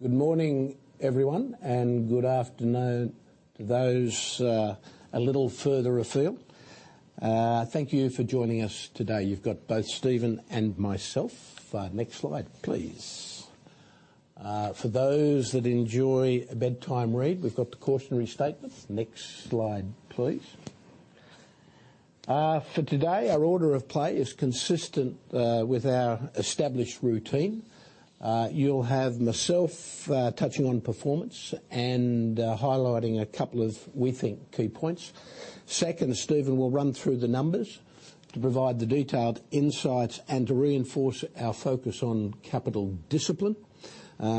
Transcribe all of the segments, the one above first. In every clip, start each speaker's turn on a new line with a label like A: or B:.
A: Good morning, everyone. Good afternoon to those a little further afield. Thank you for joining us today. You've got both Stephen and myself. Next slide, please. For those that enjoy a bedtime read, we've got the cautionary statements. Next slide, please. For today, our order of play is consistent with our established routine. You'll have myself touching on performance and highlighting a couple of, we think, key points. Second, Stephen will run through the numbers to provide the detailed insights and to reinforce our focus on capital discipline,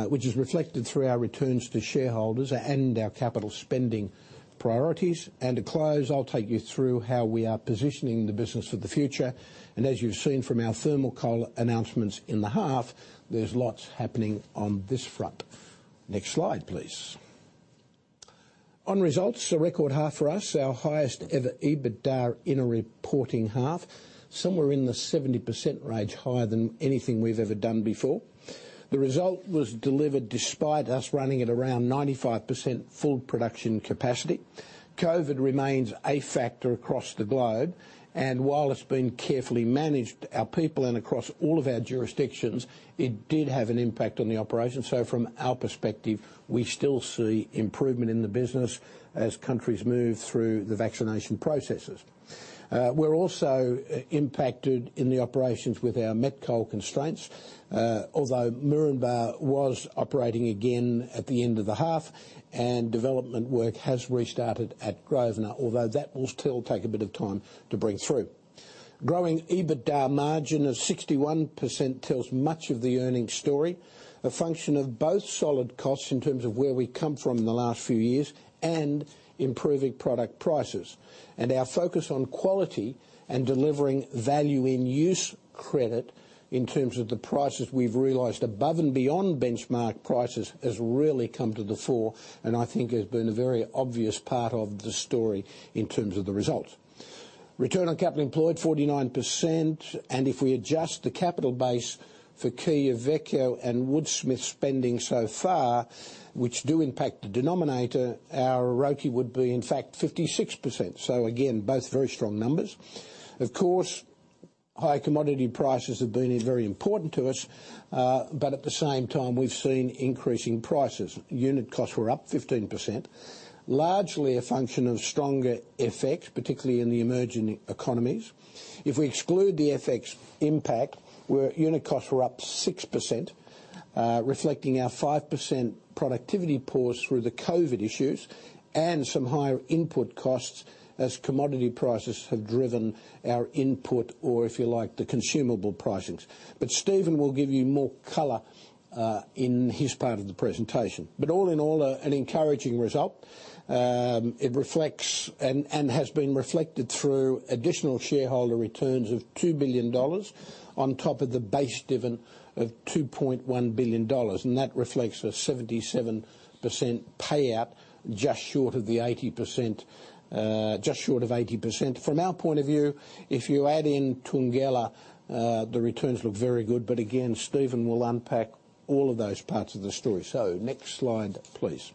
A: which is reflected through our returns to shareholders and our capital spending priorities. To close, I'll take you through how we are positioning the business for the future. As you've seen from our thermal coal announcements in the half, there's lots happening on this front. Next slide, please. On results, a record half for us. Our highest ever EBITDA in a reporting half, somewhere in the 70% range, higher than anything we've ever done before. The result was delivered despite us running at around 95% full production capacity. COVID remains a factor across the globe, and while it's been carefully managed, our people and across all of our jurisdictions, it did have an impact on the operations. From our perspective, we still see improvement in the business as countries move through the vaccination processes. We're also impacted in the operations with our Met Coal constraints. Although Moranbah was operating again at the end of the half and development work has restarted at Grosvenor, although that will still take a bit of time to bring through. Growing EBITDA margin of 61% tells much of the earning story, a function of both solid costs in terms of where we come from in the last few years and improving product prices. Our focus on quality and delivering value in use credit in terms of the prices we've realized above and beyond benchmark prices has really come to the fore and I think has been a very obvious part of the story in terms of the results. Return on capital employed, 49%, and if we adjust the capital base for Quellaveco and Woodsmith spending so far, which do impact the denominator, our ROCE would be in fact 56%. Again, both very strong numbers. Of course, high commodity prices have been very important to us. At the same time, we've seen increasing prices. Unit costs were up 15%, largely a function of stronger FX, particularly in the emerging economies. If we exclude the FX impact, unit costs were up 6%, reflecting our 5% productivity pause through the COVID issues and some higher input costs as commodity prices have driven our input or if you like, the consumable pricings. Stephen will give you more color in his part of the presentation. All in all, an encouraging result. It reflects and has been reflected through additional shareholder returns of $2 billion on top of the base dividend of $2.1 billion. That reflects a 77% payout, just short of 80%. From our point of view, if you add in Thungela, the returns look very good. Again, Stephen will unpack all of those parts of the story. Next slide, please.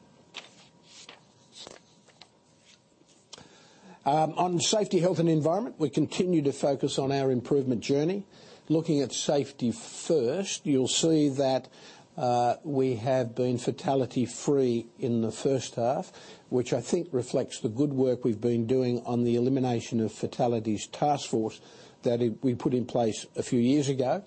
A: On safety, health, and environment, we continue to focus on our improvement journey. Looking at safety first, you'll see that we have been fatality-free in the first half, which I think reflects the good work we've been doing on the elimination of fatalities task force that we put in place a few years ago.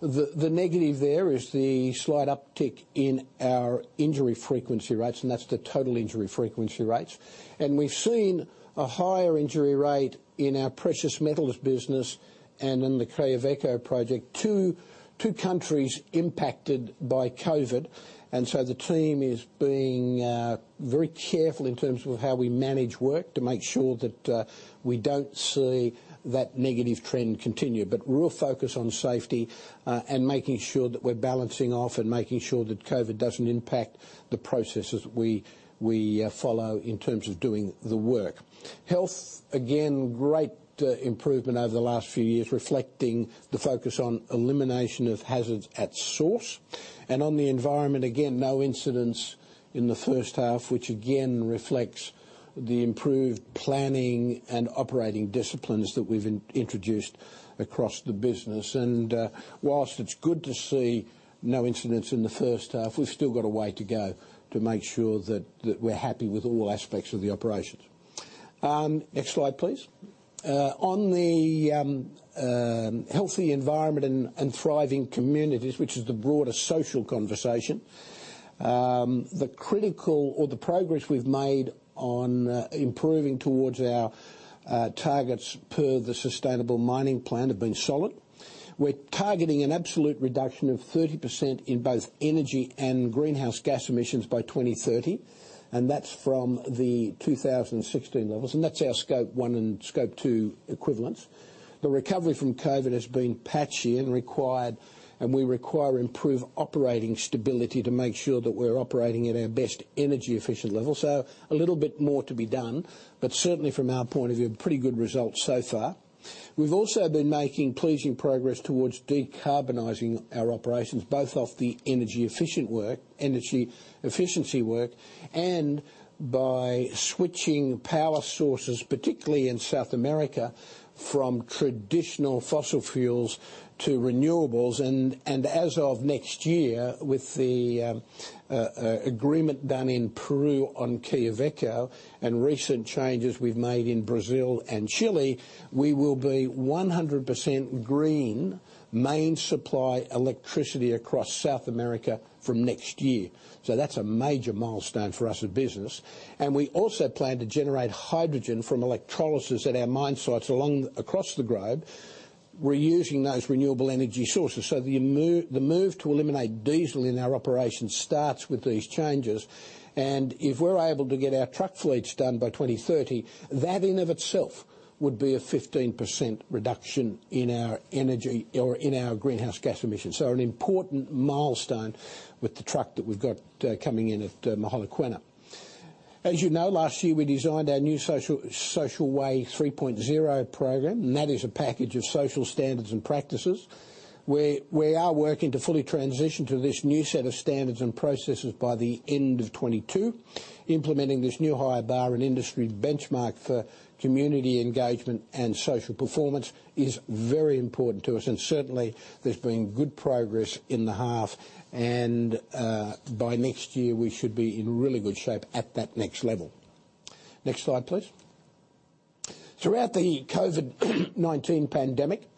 A: The negative there is the slight uptick in our injury frequency rates, that's the total injury frequency rates. We've seen a higher injury rate in our precious metals business and in the Quellaveco project, two countries impacted by COVID. The team is being very careful in terms of how we manage work to make sure that we don't see that negative trend continue. Real focus on safety and making sure that we're balancing off and making sure that COVID doesn't impact the processes we follow in terms of doing the work. Health, again, great improvement over the last few years, reflecting the focus on elimination of hazards at source. On the environment, again, no incidents in the first half, which again reflects the improved planning and operating disciplines that we've introduced across the business. Whilst it's good to see no incidents in the first half, we've still got a way to go to make sure that we're happy with all aspects of the operations. Next slide, please. On the healthy environment and thriving communities, which is the broader social conversation, the critical or the progress we've made on improving towards our targets per the Sustainable Mining Plan have been solid. We're targeting an absolute reduction of 30% in both energy and greenhouse gas emissions by 2030, and that's from the 2016 levels, and that's our Scope 1 and Scope 2 equivalents. The recovery from COVID has been patchy and we require improved operating stability to make sure that we're operating at our best energy efficient level. A little bit more to be done, but certainly from our point of view, pretty good results so far. We've also been making pleasing progress towards decarbonizing our operations, both off the energy efficiency work, and by switching power sources, particularly in South America, from traditional fossil fuels to renewables. As of next year, with the agreement done in Peru on Quellaveco and recent changes we've made in Brazil and Chile, we will be 100% green main supply electricity across South America from next year. That's a major milestone for us as a business. We also plan to generate hydrogen from electrolysis at our mine sights across the globe, reusing those renewable energy sources. The move to eliminate diesel in our operations starts with these changes, and if we're able to get our truck fleets done by 2030, that in of itself would be a 15% reduction in our energy or in our greenhouse gas emissions. An important milestone with the truck that we've got coming in at Mogalakwena. As you know, last year, we designed our new Social Way 3.0 program, and that is a package of social standards and practices. We are working to fully transition to this new set of standards and processes by the end of 2022. Implementing this new higher bar and industry benchmark for community engagement and social performance is very important to us. Certainly, there's been good progress in the half, and by next year, we should be in really good shape at that next level. Next slide, please. Throughout the COVID-19 pandemic,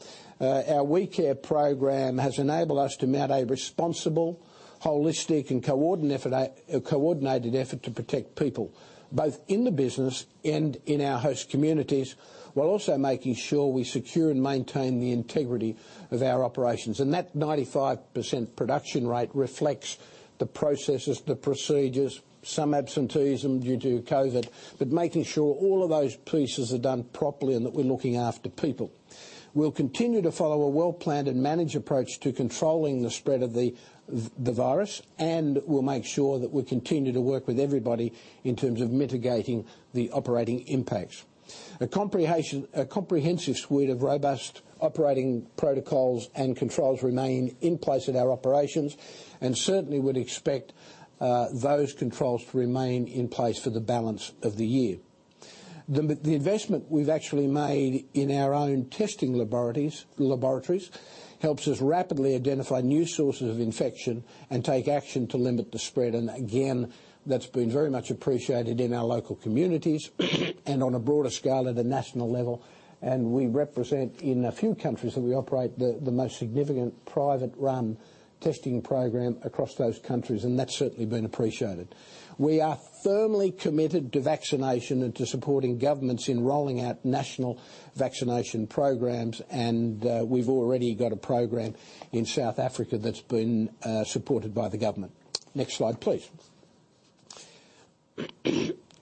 A: our WeCare program has enabled us to mount a responsible, holistic, and coordinated effort to protect people, both in the business and in our host communities, while also making sure we secure and maintain the integrity of our operations. That 95% production rate reflects the processes, the procedures, some absenteeism due to COVID, but making sure all of those pieces are done properly and that we're looking after people. We'll continue to follow a well-planned and managed approach to controlling the spread of the virus, and we'll make sure that we continue to work with everybody in terms of mitigating the operating impacts. A comprehensive suite of robust operating protocols and controls remain in place at our operations, and certainly would expect those controls to remain in place for the balance of the year. The investment we've actually made in our own testing laboratories helps us rapidly identify new sources of infection and take action to limit the spread. Again, that's been very much appreciated in our local communities and on a broader scale at the national level. We represent, in a few countries that we operate, the most significant private-run testing program across those countries, and that's certainly been appreciated. We are firmly committed to vaccination and to supporting governments in rolling out national vaccination programs, and we've already got a program in South Africa that's been supported by the government. Next slide, please.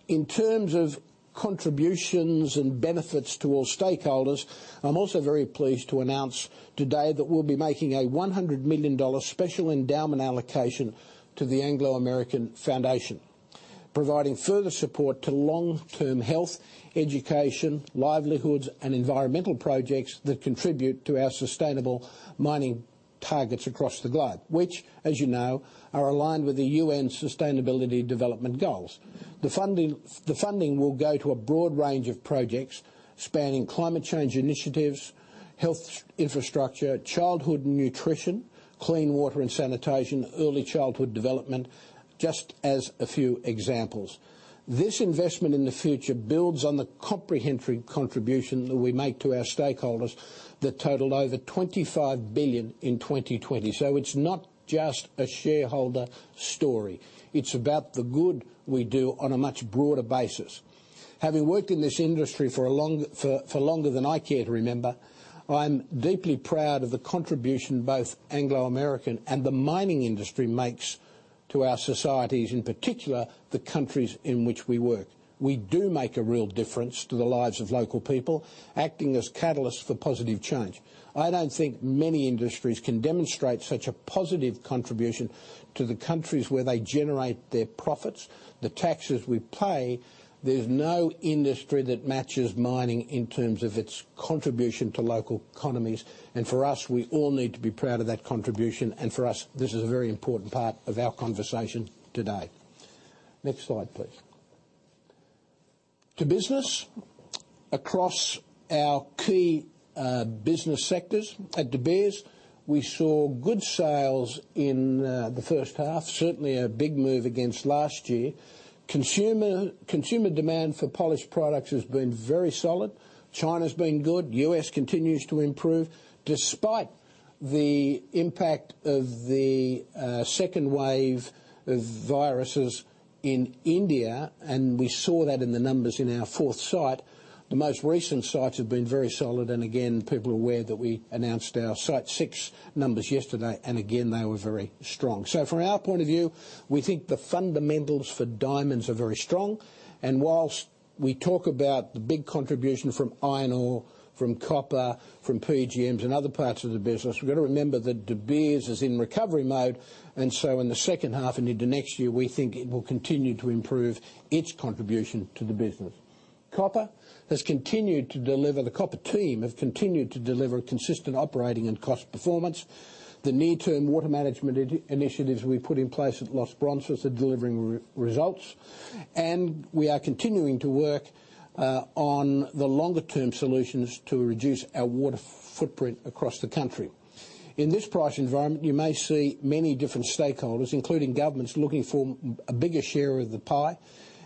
A: In terms of contributions and benefits to all stakeholders, I'm also very pleased to announce today that we'll be making a $100 million special endowment allocation to the Anglo American Foundation, providing further support to long-term health, education, livelihoods, and environmental projects that contribute to our sustainable mining targets across the globe, which, as you know, are aligned with the UN Sustainable Development Goals. The funding will go to a broad range of projects spanning climate change initiatives, health infrastructure, childhood nutrition, clean water and sanitation, early childhood development, just as a few examples. This investment in the future builds on the comprehensive contribution that we make to our stakeholders that totaled over $25 billion in 2020. It's not just a shareholder story. It's about the good we do on a much broader basis. Having worked in this industry for longer than I care to remember, I'm deeply proud of the contribution both Anglo American and the mining industry makes to our societies, in particular, the countries in which we work. We do make a real difference to the lives of local people, acting as catalysts for positive change. I don't think many industries can demonstrate such a positive contribution to the countries where they generate their profits. The taxes we pay, there's no industry that matches mining in terms of its contribution to local economies. For us, we all need to be proud of that contribution. For us, this is a very important part of our conversation today. Next slide, please. To business. Across our key business sectors at De Beers, we saw good sales in the first half, certainly a big move against last year. Consumer demand for polished products has been very solid. China's been good. The U.S. continues to improve despite the impact of the second wave of viruses in India, and we saw that in the numbers in our fourth sight, the most recent sites have been very solid. Again, people are aware that we announced our Sight six numbers yesterday, and again, they were very strong. From our point of view, we think the fundamentals for diamonds are very strong. Whilst we talk about the big contribution from iron ore, from copper, from PGMs, and other parts of the business, we've got to remember that De Beers is in recovery mode. In the second half and into next year, we think it will continue to improve its contribution to the business. Copper has continued to deliver. The copper team have continued to deliver consistent operating and cost performance. The near-term water management initiatives we put in place at Los Bronces are delivering results. We are continuing to work on the longer-term solutions to reduce our water footprint across the country. In this price environment, you may see many different stakeholders, including governments, looking for a bigger share of the pie.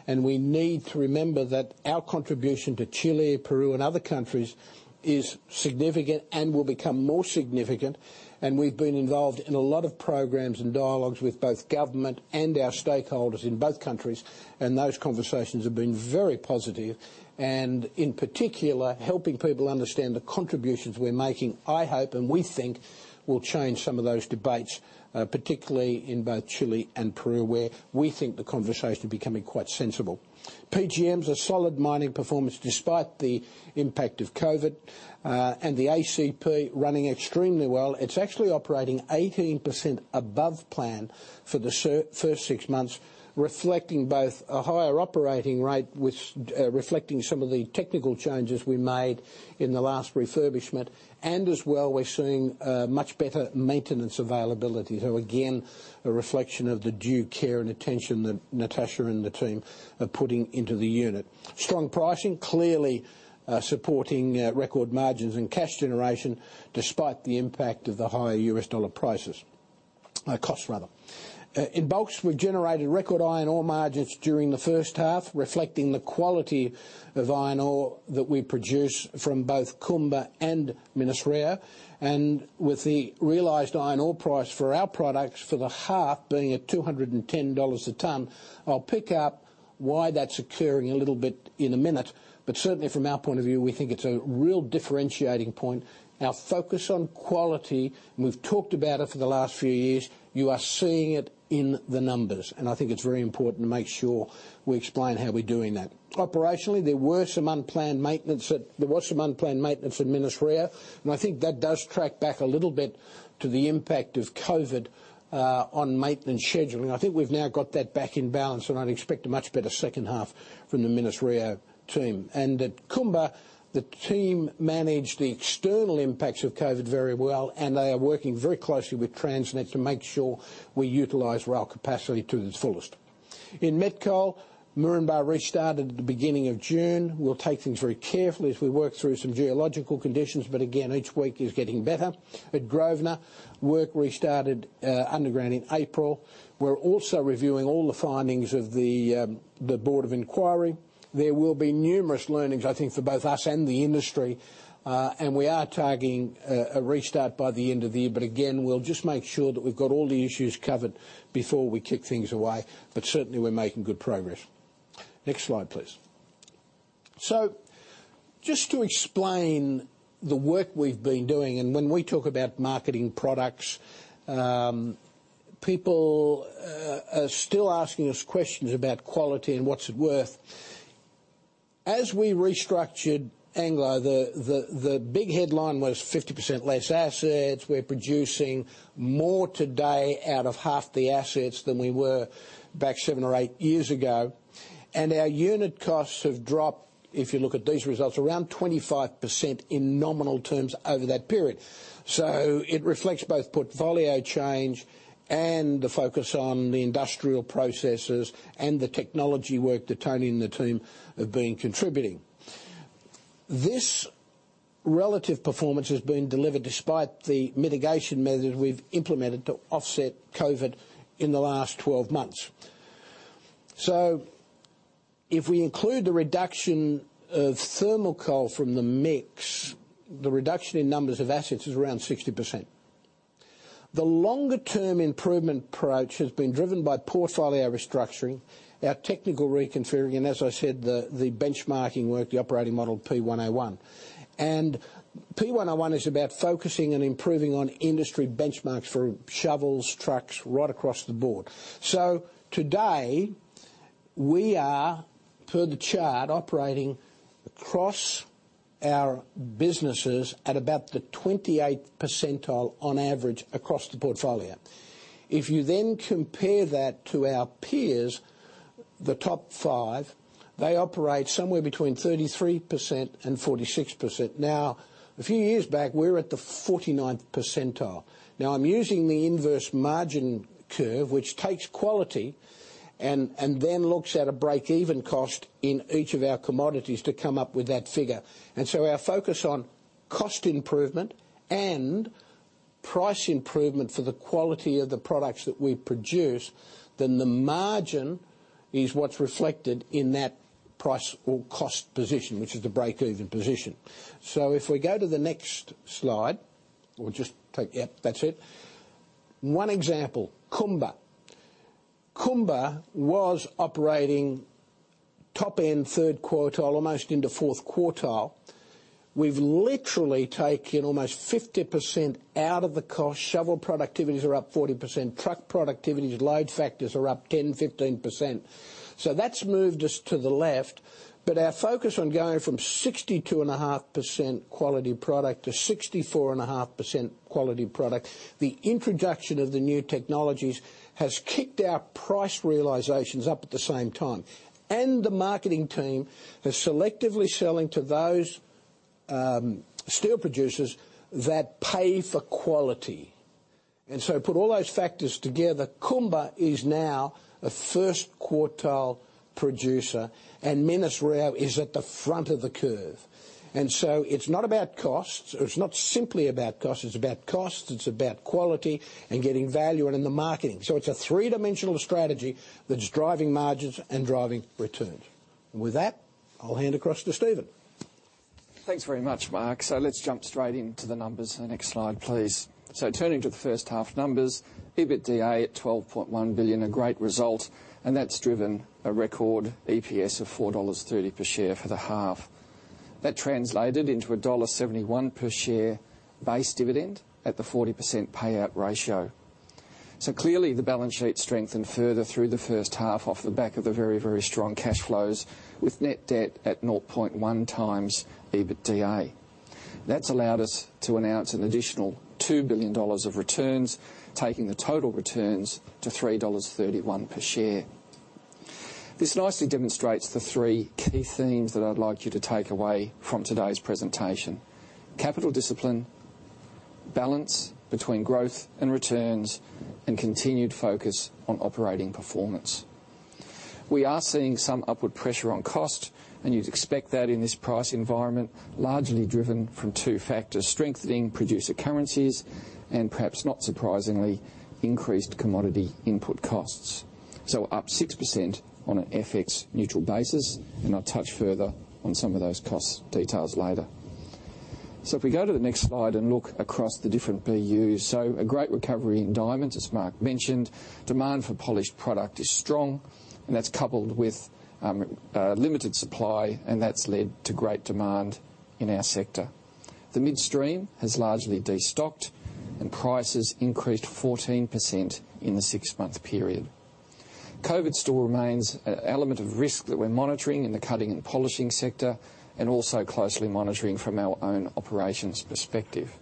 A: We need to remember that our contribution to Chile, Peru, and other countries is significant and will become more significant. We've been involved in a lot of programs and dialogues with both government and our stakeholders in both countries, and those conversations have been very positive. In particular, helping people understand the contributions we're making, I hope, and we think will change some of those debates, particularly in both Chile and Peru, where we think the conversation is becoming quite sensible. PGMs are solid mining performance despite the impact of COVID, and the ACP running extremely well. It's actually operating 18% above plan for the first six months, reflecting both a higher operating rate, which reflecting some of the technical changes we made in the last refurbishment. As well, we're seeing much better maintenance availability. Again, a reflection of the due care and attention that Natasha and the team are putting into the unit. Strong pricing clearly supporting record margins and cash generation despite the impact of the higher U.S. dollar. Costs rather. In bulks, we've generated record iron ore margins during the first half, reflecting the quality of iron ore that we produce from both Kumba and Minas-Rio. With the realized iron ore price for our products for the half being at $210 a ton. I'll pick up why that's occurring a little bit in a minute. Certainly from our point of view, we think it's a real differentiating point. Our focus on quality, and we've talked about it for the last few years, you are seeing it in the numbers. I think it's very important to make sure we explain how we're doing that. Operationally, there were some unplanned maintenance at Minas-Rio, and I think that does track back a little bit to the impact of COVID on maintenance scheduling. I think we've now got that back in balance, and I'd expect a much better second half from the Minas-Rio team. At Kumba, the team managed the external impacts of COVID very well, and they are working very closely with Transnet to make sure we utilize rail capacity to its fullest. In Met Coal, Moranbah restarted at the beginning of June. We'll take things very carefully as we work through some geological conditions. Again, each week is getting better. At Grosvenor, work restarted underground in April. We're also reviewing all the findings of the Board of Inquiry. There will be numerous learnings, I think, for both us and the industry. We are targeting a restart by the end of the year. Again, we'll just make sure that we've got all the issues covered before we kick things away. Certainly, we're making good progress. Next slide, please. Just to explain the work we've been doing. When we talk about marketing products, people are still asking us questions about quality and what's it worth. As we restructured Anglo, the big headline was 50% less assets. We're producing more today out of half the assets than we were back seven or eight years ago. Our unit costs have dropped, if you look at these results, around 25% in nominal terms over that period. It reflects both portfolio change and the focus on the industrial processes and the technology work that Tony and the team have been contributing. This relative performance has been delivered despite the mitigation measures we've implemented to offset COVID in the last 12 months. If we include the reduction of thermal coal from the mix, the reduction in numbers of assets is around 60%. The longer-term improvement approach has been driven by portfolio restructuring, our technical reconfiguring, and as I said, the benchmarking work, the operating model P101. P101 is about focusing and improving on industry benchmarks for shovels, trucks, right across the board. Today, we are, per the chart, operating across our businesses at about the 28th percentile on average across the portfolio. You then compare that to our peers, the top five, they operate somewhere between 33%-46%. A few years back, we were at the 49th percentile. I'm using the inverse margin curve, which takes quality and then looks at a break-even cost in each of our commodities to come up with that figure. Our focus on cost improvement and price improvement for the quality of the products that we produce, then the margin is what's reflected in that price or cost position, which is the break-even position. If we go to the next slide. We'll just take, yep, that's it. One example, Kumba. Kumba was operating top end third quartile, almost into fourth quartile. We've literally taken almost 50% out of the cost. Shovel productivities are up 40%, truck productivities, load factors are up 10%-15%. That's moved us to the left. Our focus on going from 62.5% quality product to 64.5% quality product, the introduction of the new technologies has kicked our price realizations up at the same time. The marketing team is selectively selling to those steel producers that pay for quality. Put all those factors together, Kumba is now a first quartile producer and Minas-Rio is at the front of the curve. It's not about cost. It's not simply about cost. It's about cost, it's about quality and getting value and in the marketing. It's a three-dimensional strategy that's driving margins and driving returns. With that, I'll hand across to Stephen.
B: Thanks very much, Mark. Let's jump straight into the numbers. The next slide, please. Turning to the first half numbers, EBITDA at $12.1 billion, a great result, and that's driven a record EPS of $4.30 per share for the half. That translated into a $1.71 per share base dividend at the 40% payout ratio. Clearly the balance sheet strengthened further through the first half off the back of the very, very strong cash flows with net debt at 0.1 times EBITDA. That's allowed us to announce an additional $2 billion of returns, taking the total returns to $3.31 per share. This nicely demonstrates the three key themes that I'd like you to take away from today's presentation. Capital discipline, balance between growth and returns, and continued focus on operating performance. We are seeing some upward pressure on cost, and you'd expect that in this price environment, largely driven from two factors, strengthening producer currencies, and perhaps not surprisingly, increased commodity input costs. Up 6% on an FX neutral basis, and I'll touch further on some of those cost details later. If we go to the next slide and look across the different BUs. A great recovery in diamonds, as Mark mentioned. Demand for polished product is strong and that's coupled with limited supply, and that's led to great demand in our sector. The midstream has largely destocked and prices increased 14% in the six-month period. COVID still remains an element of risk that we're monitoring in the cutting and polishing sector, and also closely monitoring from our own operations perspective.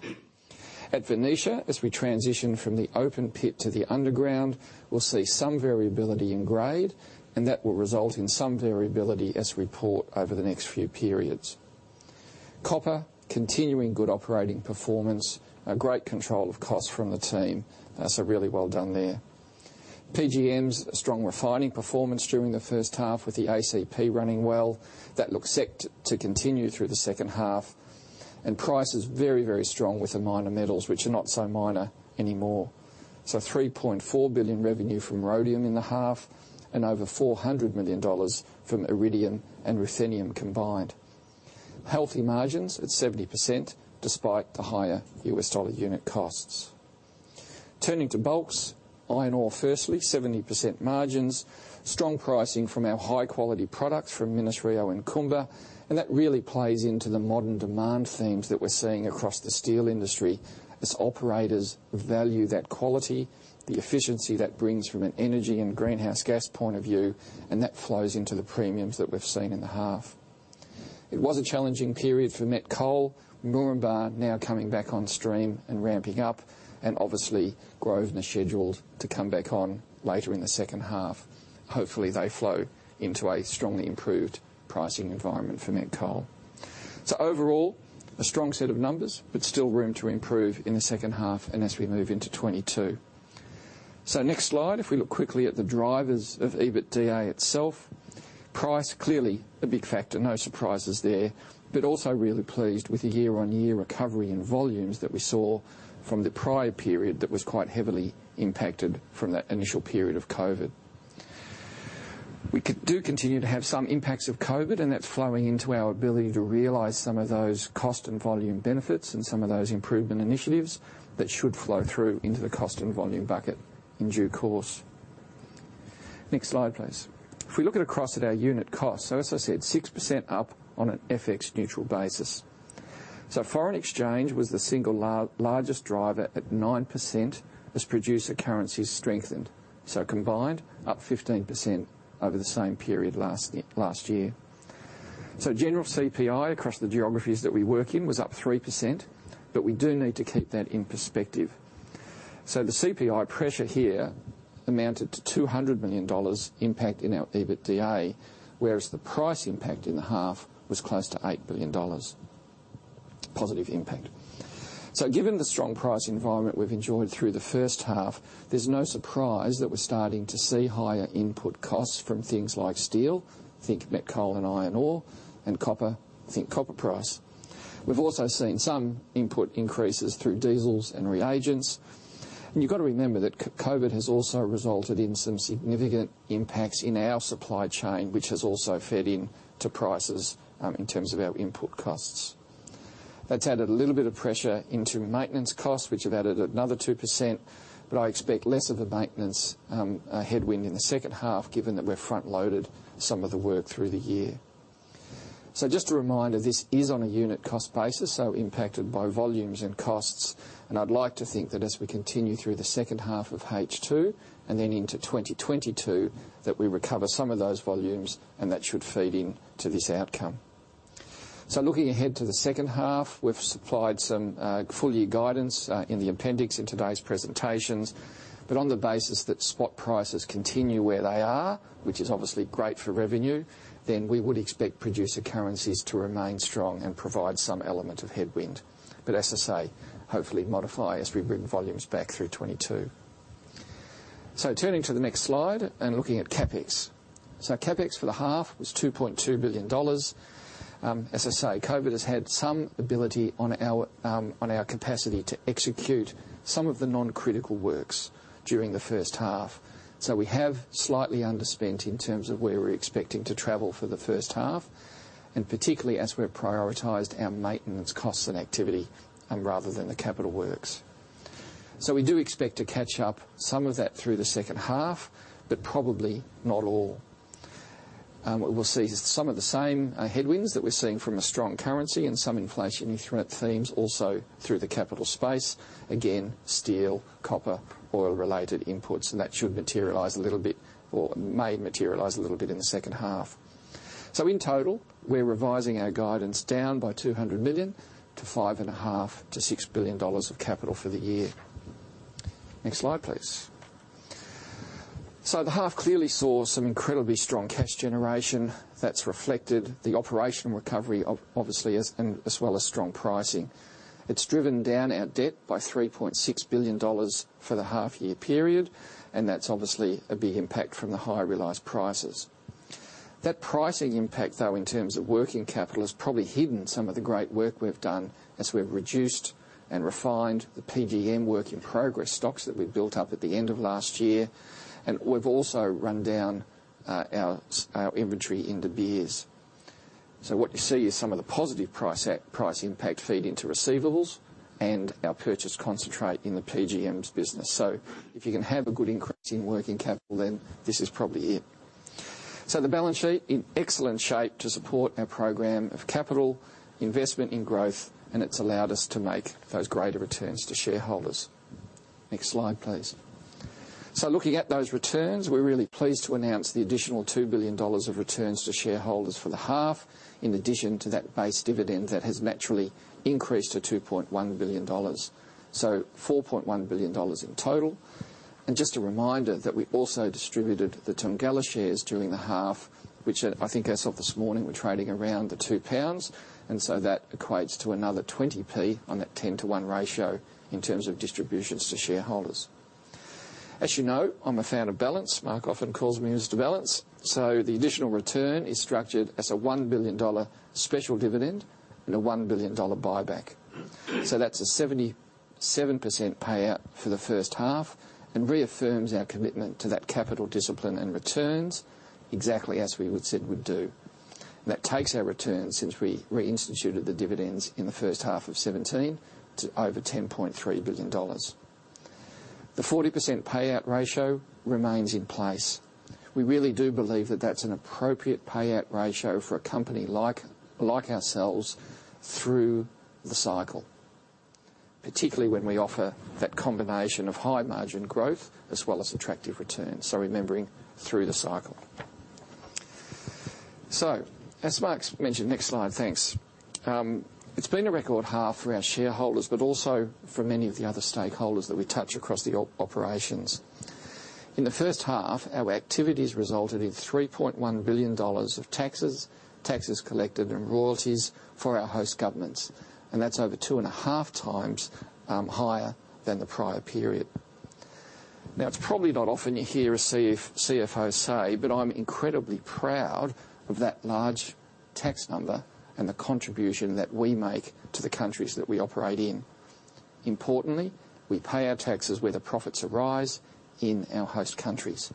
B: At Venetia, as we transition from the open pit to the underground, we'll see some variability in grade, and that will result in some variability as we report over the next few periods. Copper, continuing good operating performance, a great control of cost from the team. Really well done there. PGMs, strong refining performance during the first half with the ACP running well. That looks set to continue through the second half. Prices very, very strong with the minor metals, which are not so minor anymore. $3.4 billion revenue from rhodium in the half and over $400 million from iridium and ruthenium combined. Healthy margins at 70%, despite the higher US dollar unit costs. Turning to bulks. Iron ore firstly, 70% margins. Strong pricing from our high-quality products from Minas-Rio and Kumba, and that really plays into the modern demand themes that we're seeing across the steel industry as operators value that quality, the efficiency that brings from an energy and greenhouse gas point of view, and that flows into the premiums that we've seen in the half. It was a challenging period for Met Coal. Moranbah now coming back on stream and ramping up, and obviously, Grosvenor scheduled to come back on later in the second half. Hopefully, they flow into a strongly improved pricing environment for Met Coal. Overall, a strong set of numbers, but still room to improve in the second half and as we move into 2022. Next slide. If we look quickly at the drivers of EBITDA itself. Price, clearly a big factor, no surprises there. Also really pleased with the year-on-year recovery in volumes that we saw from the prior period that was quite heavily impacted from that initial period of COVID. We do continue to have some impacts of COVID, and that's flowing into our ability to realize some of those cost and volume benefits and some of those improvement initiatives that should flow through into the cost and volume bucket in due course. Next slide, please. As I said, 6% up on an FX neutral basis. Foreign exchange was the single largest driver at 9% as producer currencies strengthened. Combined, up 15% over the same period last year. General CPI across the geographies that we work in was up 3%, but we do need to keep that in perspective. The CPI pressure here amounted to $200 million impact in our EBITDA, whereas the price impact in the half was close to $8 billion positive impact. Given the strong price environment we've enjoyed through the first half, there's no surprise that we're starting to see higher input costs from things like steel. Think Met Coal and iron ore and copper. Think copper price. We've also seen some input increases through diesels and reagents. You've got to remember that COVID has also resulted in some significant impacts in our supply chain, which has also fed into prices in terms of our input costs. That's added a little bit of pressure into maintenance costs, which have added another 2%, but I expect less of a maintenance headwind in the second half given that we've front-loaded some of the work through the year. Just a reminder, this is on a unit cost basis, so impacted by volumes and costs. I'd like to think that as we continue through the second half of H2 and then into 2022, that we recover some of those volumes and that should feed into this outcome. Looking ahead to the second half, we've supplied some full year guidance in the appendix in today's presentations. On the basis that spot prices continue where they are, which is obviously great for revenue, we would expect producer currencies to remain strong and provide some element of headwind. As I say, hopefully modify as we bring volumes back through 2022. Turning to the next slide and looking at CapEx. CapEx for the half was $2.2 billion. As I say, COVID has had some ability on our capacity to execute some of the non-critical works during the first half. We have slightly underspent in terms of where we're expecting to travel for the first half, and particularly as we've prioritized our maintenance costs and activity rather than the capital works. We do expect to catch up some of that through the second half, but probably not all. We'll see some of the same headwinds that we're seeing from a strong currency and some inflationary threat themes also through the capital space. Again, steel, copper, oil-related inputs, and that should materialize a little bit, or may materialize a little bit in the second half. In total, we're revising our guidance down by $200 million to $5.5 billion-$6 billion of capital for the year. Next slide, please. The half clearly saw some incredibly strong cash generation that's reflected the operational recovery, obviously, as well as strong pricing. It's driven down our debt by $3.6 billion for the half-year period, that's obviously a big impact from the higher realized prices. That pricing impact, though, in terms of working capital, has probably hidden some of the great work we've done as we've reduced and refined the PGM work in progress stocks that we built up at the end of last year. We've also run down our inventory in De Beers. What you see is some of the positive price impact feed into receivables and our purchase concentrate in the PGMs business. If you can have a good increase in working capital, then this is probably it. The balance sheet in excellent shape to support our program of capital investment in growth, and it's allowed us to make those greater returns to shareholders. Next slide, please. Looking at those returns, we're really pleased to announce the additional $2 billion of returns to shareholders for the half, in addition to that base dividend that has naturally increased to $2.1 billion. $4.1 billion in total. Just a reminder that we also distributed the Thungela shares during the half, which I think as of this morning, we're trading around the £2. That equates to another 0.20 on that 10:1 ratio in terms of distributions to shareholders. As you know, I'm a fan of balance. Mark often calls me Mr. Balance. The additional return is structured as a $1 billion special dividend and a $1 billion buyback. That's a 77% payout for the first half and reaffirms our commitment to that capital discipline and returns exactly as we said we'd do. That takes our returns since we reinstituted the dividends in the first half of 2017 to over $10.3 billion. The 40% payout ratio remains in place. We really do believe that that's an appropriate payout ratio for a company like ourselves through the cycle, particularly when we offer that combination of high margin growth as well as attractive returns. Remembering through the cycle. As Mark's mentioned, next slide. Thanks. It's been a record half for our shareholders, but also for many of the other stakeholders that we touch across the operations. In the first half, our activities resulted in $3.1 billion of taxes collected and royalties for our host governments. That's over two and a half times higher than the prior period. Now, it's probably not often you hear a CFO say, but I'm incredibly proud of that large tax number and the contribution that we make to the countries that we operate in. Importantly, we pay our taxes where the profits arise in our host countries.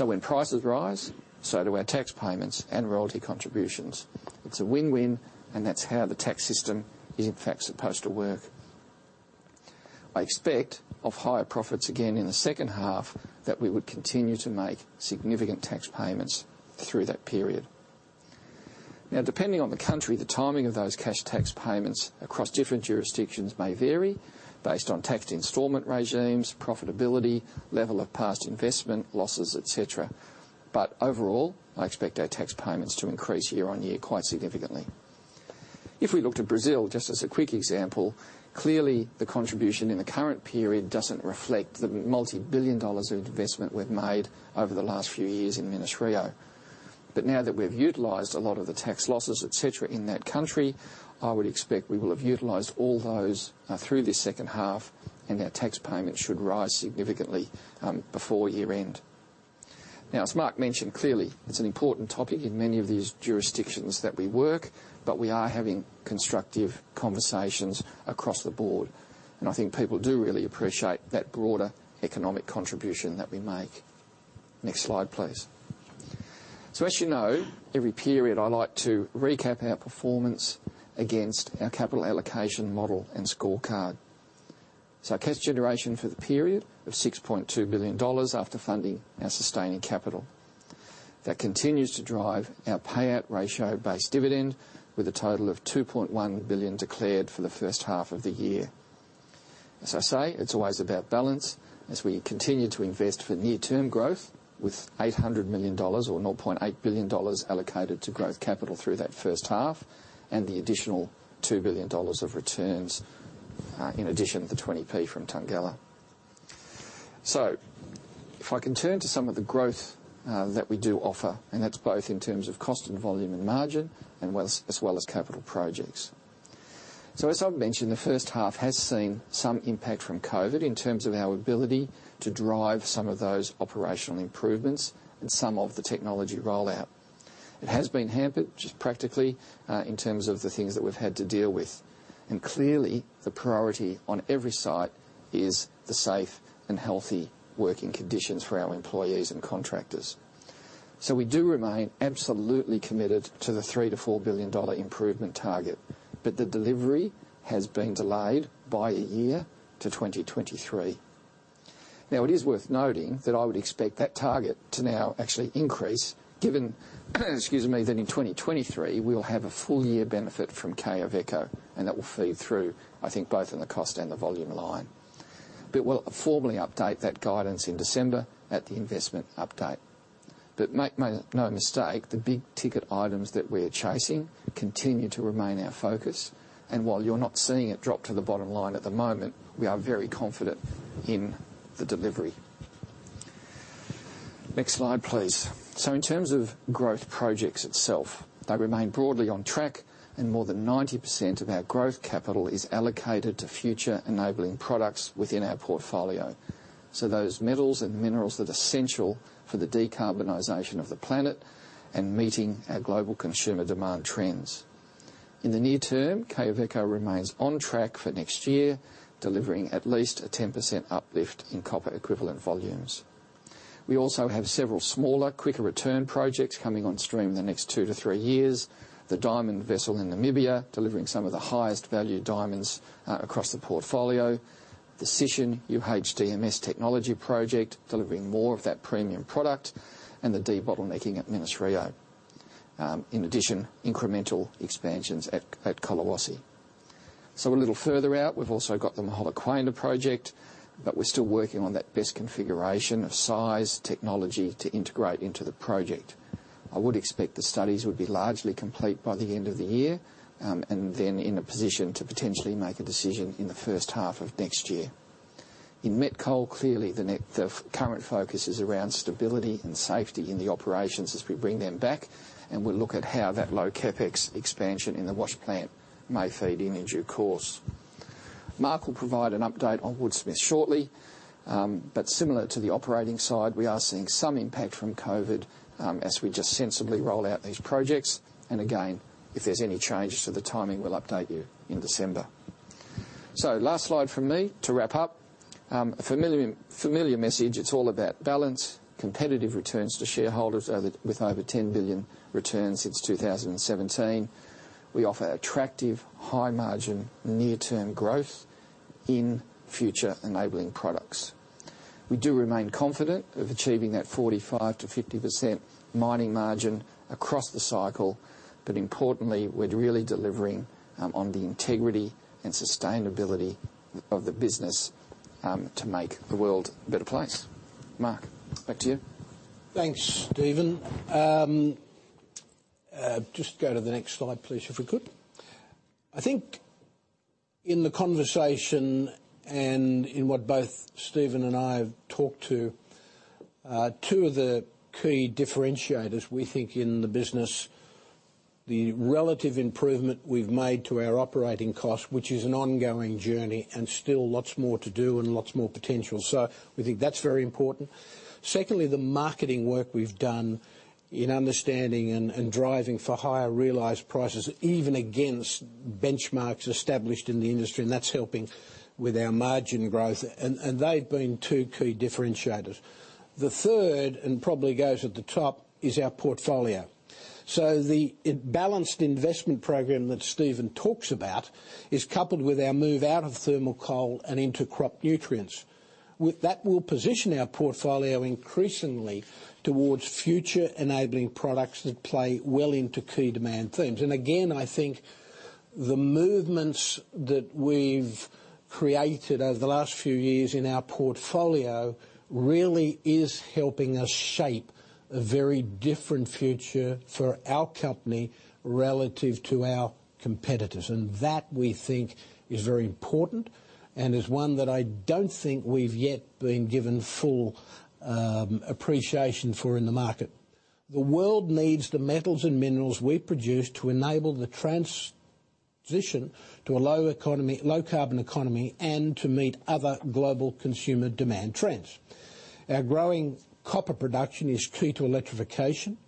B: When prices rise, so do our tax payments and royalty contributions. It's a win-win, and that's how the tax system is in fact supposed to work. I expect of higher profits again in the second half that we would continue to make significant tax payments through that period. Now, depending on the country, the timing of those cash tax payments across different jurisdictions may vary based on tax installment regimes, profitability, level of past investment, losses, et cetera. Overall, I expect our tax payments to increase year-on-year quite significantly. If we look to Brazil, just as a quick example, clearly the contribution in the current period doesn't reflect the $multi-billion of investment we've made over the last few years in Minas-Rio. Now that we've utilized a lot of the tax losses, et cetera, in that country, I would expect we will have utilized all those through this second half and our tax payments should rise significantly before year-end. As Mark mentioned, clearly it's an important topic in many of these jurisdictions that we work, but we are having constructive conversations across the board. I think people do really appreciate that broader economic contribution that we make. Next slide, please. As you know, every period I like to recap our performance against our capital allocation model and scorecard. Our cash generation for the period of $6.2 billion after funding our sustaining capital. That continues to drive our payout ratio base dividend with a total of $2.1 billion declared for the first half of the year. As I say, it's always about balance as we continue to invest for near-term growth with $800 million or $0.8 billion allocated to growth capital through that first half, and the additional $2 billion of returns, in addition to 0.20 from Thungela. If I can turn to some of the growth that we do offer, and that's both in terms of cost and volume and margin, as well as capital projects. As I've mentioned, the first half has seen some impact from COVID in terms of our ability to drive some of those operational improvements and some of the technology rollout. It has been hampered just practically, in terms of the things that we've had to deal with. Clearly the priority on every site is the safe and healthy working conditions for our employees and contractors. We do remain absolutely committed to the $3 billion-$4 billion improvement target, but the delivery has been delayed by one year to 2023. Now, it is worth noting that I would expect that target to now actually increase given that in 2023 we'll have a full year benefit from Quellaveco, and that will feed through, I think both in the cost and the volume line. We'll formally update that guidance in December at the investment update. Make no mistake, the big-ticket items that we're chasing continue to remain our focus. While you're not seeing it drop to the bottom line at the moment, we are very confident in the delivery. Next slide, please. In terms of growth projects itself, they remain broadly on track and more than 90% of our growth capital is allocated to future enabling products within our portfolio, those metals and minerals that are essential for the decarbonization of the planet and meeting our global consumer demand trends. In the near term, Quellaveco remains on track for next year, delivering at least a 10% uplift in copper equivalent volumes. We also have several smaller, quicker return projects coming on stream in the next two to three years, the diamond vessel in Namibia delivering some of the highest value diamonds across the portfolio, the Sishen UHDMS technology project delivering more of that premium product and the debottlenecking at Minas-Rio, in addition, incremental expansions at Collahuasi. A little further out, we've also got the Mogalakwena project, but we're still working on that best configuration of size, technology to integrate into the project. I would expect the studies would be largely complete by the end of the year, and then in a position to potentially make a decision in the first half of next year. In Met Coal, clearly the current focus is around stability and safety in the operations as we bring them back and we look at how that low CapEx expansion in the wash plant may feed in due course. Mark will provide an update on Woodsmith shortly. Similar to the operating side, we are seeing some impact from COVID, as we just sensibly roll out these projects. Again, if there's any change to the timing, we'll update you in December. Last slide from me to wrap up. A familiar message. It's all about balance, competitive returns to shareholders with over $10 billion returns since 2017. We offer attractive high margin near-term growth in FutureSmart Mining products. We do remain confident of achieving that 45%-50% mining margin across the cycle. Importantly, we're really delivering on the integrity and sustainability of the business to make the world a better place. Mark, back to you.
A: Thanks, Stephen. Go to the next slide, please, if we could. I think in the conversation and in what both Stephen and I have talked to, two of the key differentiators we think in the business, the relative improvement we've made to our operating cost, which is an ongoing journey, and still lots more to do and lots more potential. We think that's very important. Secondly, the marketing work we've done in understanding and driving for higher realized prices, even against benchmarks established in the industry. That's helping with our margin growth. They've been two key differentiators. The third, and probably goes at the top, is our portfolio. The balanced investment program that Stephen talks about is coupled with our move out of thermal coal and into crop nutrients. That will position our portfolio increasingly towards future-enabling products that play well into key demand themes. Again, I think the movements that we've created over the last few years in our portfolio really is helping us shape a very different future for our company relative to our competitors. That, we think, is very important and is one that I don't think we've yet been given full appreciation for in the market. The world needs the metals and minerals we produce to enable the transition to a low-carbon economy and to meet other global consumer demand trends. Our growing copper production is key to electrification.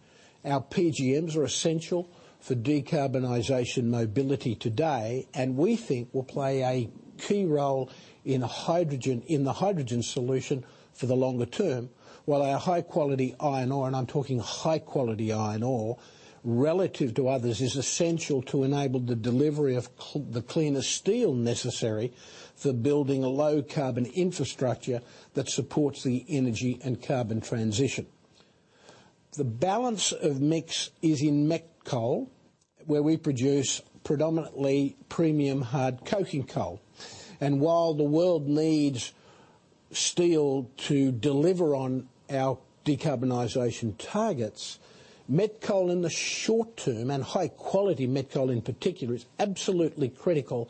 A: Our PGMs are essential for decarbonization mobility today, and we think will play a key role in the hydrogen solution for the longer term. While our high-quality iron ore, and I'm talking high quality iron ore, relative to others is essential to enable the delivery of the cleanest steel necessary for building a low-carbon infrastructure that supports the energy and carbon transition. The balance of mix is in Met Coal, where we produce predominantly premium hard coking coal. While the world needs steel to deliver on our decarbonization targets, Met Coal in the short term and high quality Met Coal in particular is absolutely critical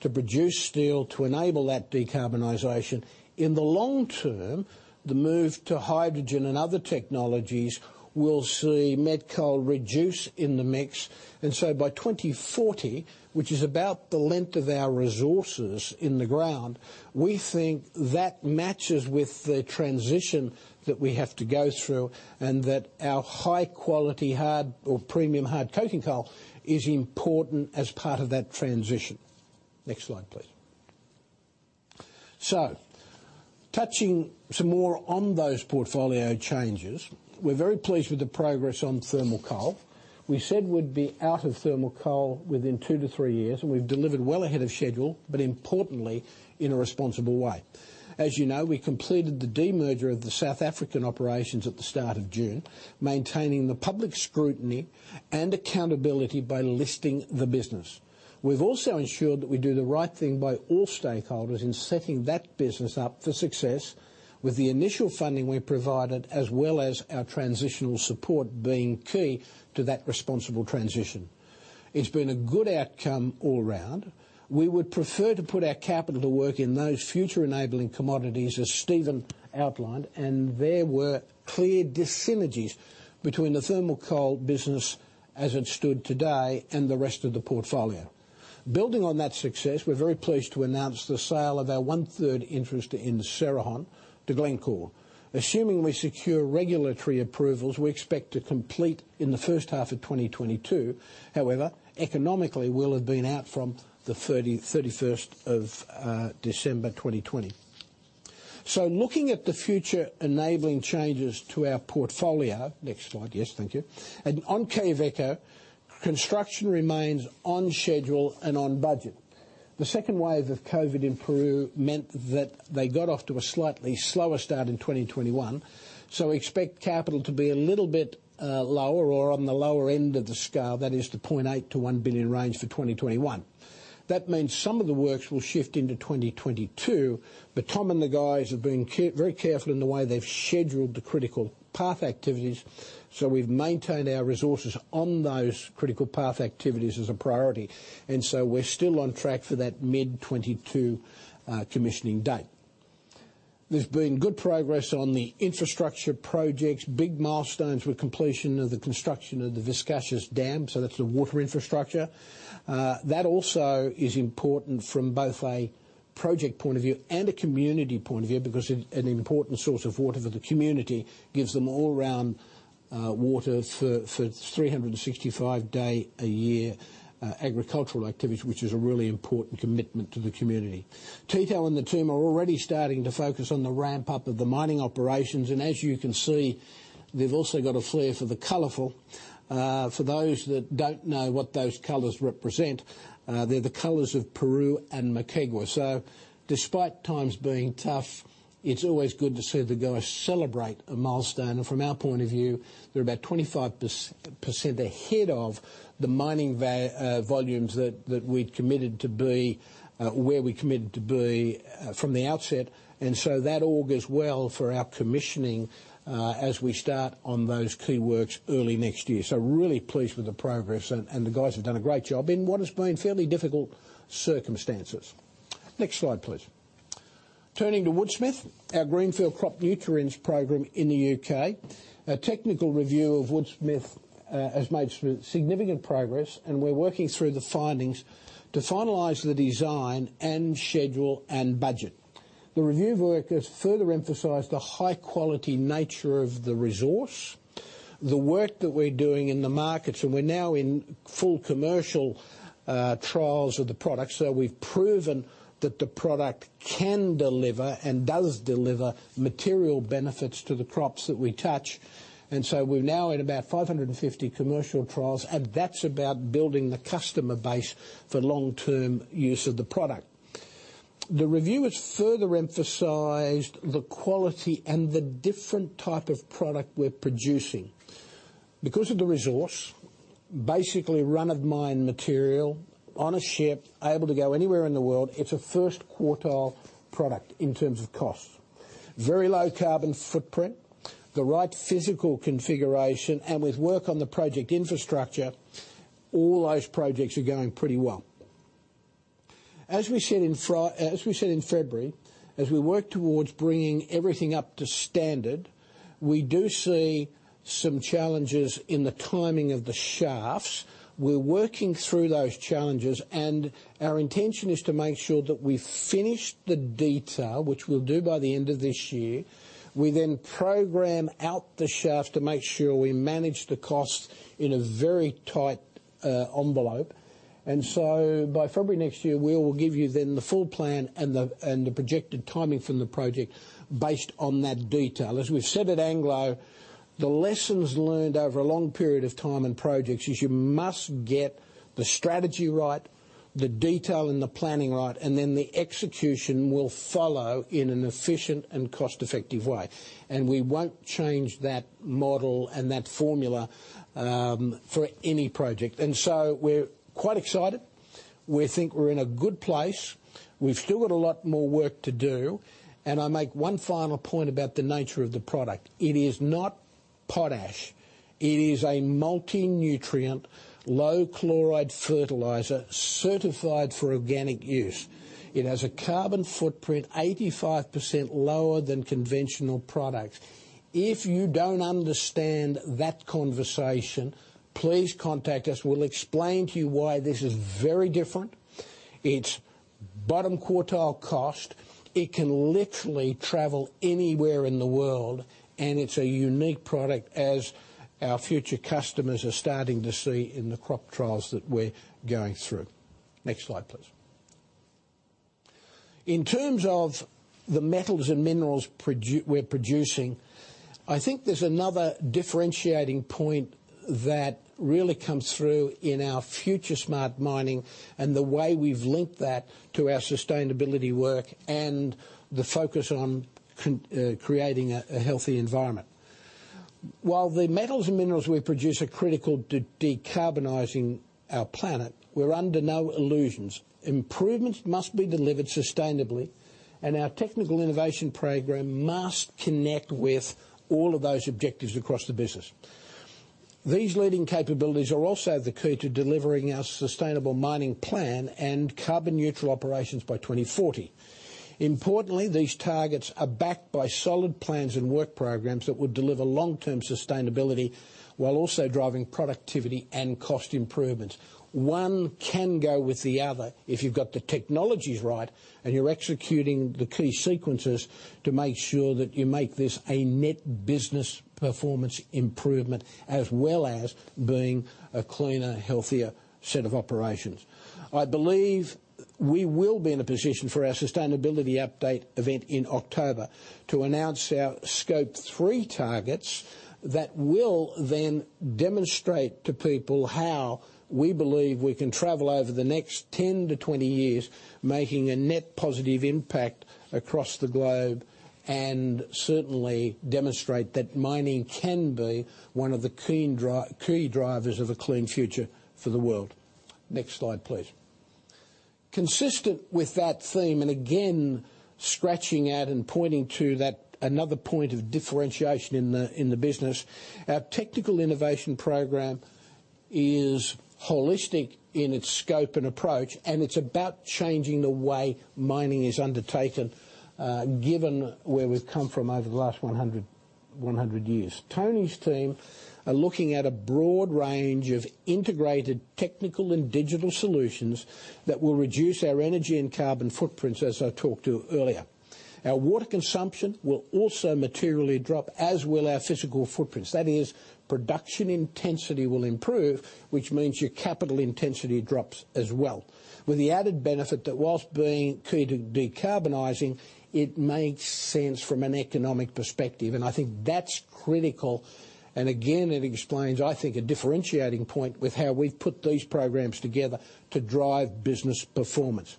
A: to produce steel to enable that decarbonization. In the long term, the move to hydrogen and other technologies will see Met Coal reduce in the mix. By 2040, which is about the length of our resources in the ground, we think that matches with the transition that we have to go through and that our high quality hard or premium hard coking coal is important as part of that transition. Next slide, please. Touching some more on those portfolio changes. We're very pleased with the progress on thermal coal. We said we'd be out of thermal coal within two-three years, and we've delivered well ahead of schedule, but importantly, in a responsible way. As you know, we completed the demerger of the South African operations at the start of June, maintaining the public scrutiny and accountability by listing the business. We've also ensured that we do the right thing by all stakeholders in setting that business up for success with the initial funding we provided, as well as our transitional support being key to that responsible transition. It's been a good outcome all around. We would prefer to put our capital to work in those future-enabling commodities, as Stephen outlined, and there were clear dis-synergies between the thermal coal business as it stood today and the rest of the portfolio. Building on that success, we're very pleased to announce the sale of our one-third interest in Cerrejón to Glencore. Assuming we secure regulatory approvals, we expect to complete in the first half of 2022. However, economically we'll have been out from the 31st of December 2020. Looking at the future enabling changes to our portfolio. Next slide. Yes, thank you. On Quellaveco, construction remains on schedule and on budget. The second wave of COVID in Peru meant that they got off to a slightly slower start in 2021. Expect capital to be a little bit lower or on the lower end of the scale. That is the $0.8 billion-$1 billion range for 2021. That means some of the works will shift into 2022. Tom and the guys have been very careful in the way they've scheduled the critical path activities. We've maintained our resources on those critical path activities as a priority. We're still on track for that mid 2022 commissioning date. There's been good progress on the infrastructure projects. Big milestones with completion of the construction of the Vizcachas dam. That's the water infrastructure. That also is important from both a project point of view and a community point of view, because an important source of water for the community gives them all-round water for 365-day a year agricultural activities, which is a really important commitment to the community. Tito and the team are already starting to focus on the ramp-up of the mining operations, as you can see, they've also got a flair for the colorful. For those that don't know what those colors represent, they're the colors of Peru and Moquegua. Despite times being tough, it's always good to see the guys celebrate a milestone. From our point of view, they're about 25% ahead of the mining volumes that we'd committed to be from the outset. That all goes well for our commissioning as we start on those key works early next year. Really pleased with the progress. The guys have done a great job in what has been fairly difficult circumstances. Next slide, please. Turning to Woodsmith, our greenfield crop nutrients program in the U.K. A technical review of Woodsmith has made significant progress, and we're working through the findings to finalize the design and schedule and budget. The review work has further emphasized the high-quality nature of the resource. The work that we're doing in the markets, and we're now in full commercial trials of the product. We've proven that the product can deliver and does deliver material benefits to the crops that we touch. We're now at about 550 commercial trials, and that's about building the customer base for long-term use of the product. The review has further emphasized the quality and the different type of product we're producing. Because of the resource, basically run-of-mine material on a ship able to go anywhere in the world. It's a first quartile product in terms of cost. Very low carbon footprint, the right physical configuration, and with work on the project infrastructure, all those projects are going pretty well. As we said in February, as we work towards bringing everything up to standard, we do see some challenges in the timing of the shafts. We're working through those challenges, and our intention is to make sure that we finish the detail, which we'll do by the end of this year. We then program out the shaft to make sure we manage the cost in a very tight envelope. By February next year, we will give you then the full plan and the projected timing from the project based on that detail. As we've said at Anglo, the lessons learned over a long period of time in projects is you must get the strategy right, the detail and the planning right, then the execution will follow in an efficient and cost-effective way. We won't change that model and that formula for any project. We're quite excited. We think we're in a good place. We've still got a lot more work to do. I make one final point about the nature of the product. It is not potash. It is a multi-nutrient, low-chloride fertilizer certified for organic use. It has a carbon footprint 85% lower than conventional products. If you don't understand that conversation, please contact us. We'll explain to you why this is very different. It's bottom quartile cost. It can literally travel anywhere in the world, and it's a unique product, as our future customers are starting to see in the crop trials that we're going through. Next slide, please. In terms of the metals and minerals we're producing, I think there's another differentiating point that really comes through in our FutureSmart Mining and the way we've linked that to our sustainability work and the focus on creating a healthy environment. While the metals and minerals we produce are critical to decarbonizing our planet, we're under no illusions. Improvements must be delivered sustainably, and our technical innovation program must connect with all of those objectives across the business. These leading capabilities are also the key to delivering our sustainable mining plan and carbon neutral operations by 2040. Importantly, these targets are backed by solid plans and work programs that would deliver long-term sustainability while also driving productivity and cost improvements. One can go with the other if you've got the technologies right and you're executing the key sequences to make sure that you make this a net business performance improvement, as well as being a cleaner, healthier set of operations. I believe we will be in a position for our sustainability update event in October to announce our Scope 3 targets that will then demonstrate to people how we believe we can travel over the next 10-20 years making a net positive impact across the globe, and certainly demonstrate that mining can be one of the key drivers of a clean future for the world. Next slide, please. Consistent with that theme, and again, scratching at and pointing to another point of differentiation in the business, our technical innovation program is holistic in its scope and approach, and it's about changing the way mining is undertaken, given where we've come from over the last 100 years. Tony's team are looking at a broad range of integrated technical and digital solutions that will reduce our energy and carbon footprints, as I talked to earlier. Our water consumption will also materially drop, as will our physical footprints. That is, production intensity will improve, which means your capital intensity drops as well. With the added benefit that whilst being key to decarbonizing, it makes sense from an economic perspective. I think that's critical, and again, it explains, I think, a differentiating point with how we've put these programs together to drive business performance.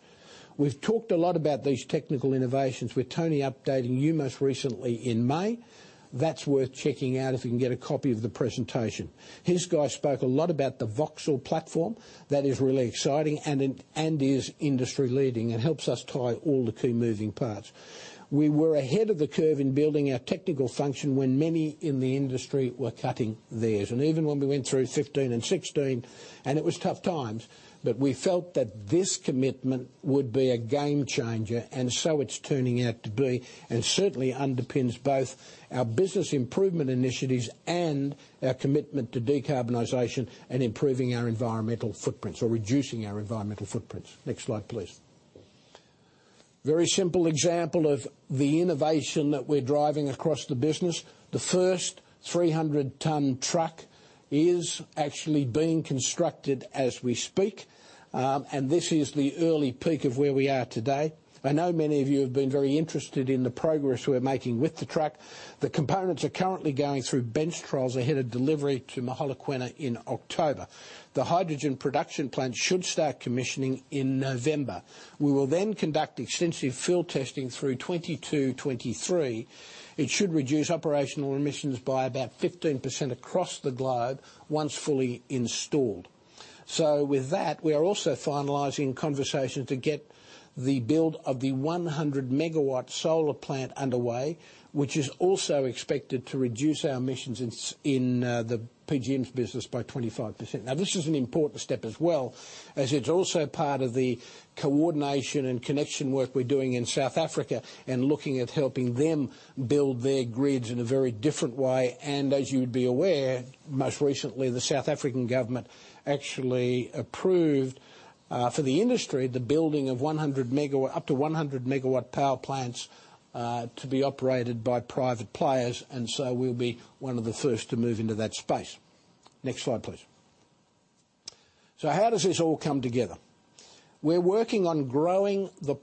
A: We've talked a lot about these technical innovations, with Tony updating you most recently in May. That's worth checking out if you can get a copy of the presentation. His guys spoke a lot about the VOXEL platform. That is really exciting and is industry-leading and helps us tie all the key moving parts. We were ahead of the curve in building our technical function when many in the industry were cutting theirs. Even when we went through 2015 and 2016, and it was tough times, but we felt that this commitment would be a game changer, and so it's turning out to be, and certainly underpins both our business improvement initiatives and our commitment to decarbonization and improving our environmental footprints or reducing our environmental footprints. Next slide, please. Very simple example of the innovation that we're driving across the business. The first 300-ton truck is actually being constructed as we speak, and this is the early peak of where we are today. I know many of you have been very interested in the progress we are making with the truck. The components are currently going through bench trials ahead of delivery to Mogalakwena in October. The hydrogen production plant should start commissioning in November. We will conduct extensive field testing through 2022, 2023. It should reduce operational emissions by about 15% across the globe once fully installed. With that, we are also finalizing conversations to get the build of the 100 MW solar plant underway, which is also expected to reduce our emissions in the PGMs business by 25%. This is an important step as well, as it's also part of the coordination and connection work we're doing in South Africa and looking at helping them build their grids in a very different way. As you'd be aware, most recently, the South African government actually approved, for the industry, the building of up to 100 MW power plants to be operated by private players. We'll be one of the first to move into that space. Next slide, please. How does this all come together? We're working on growing the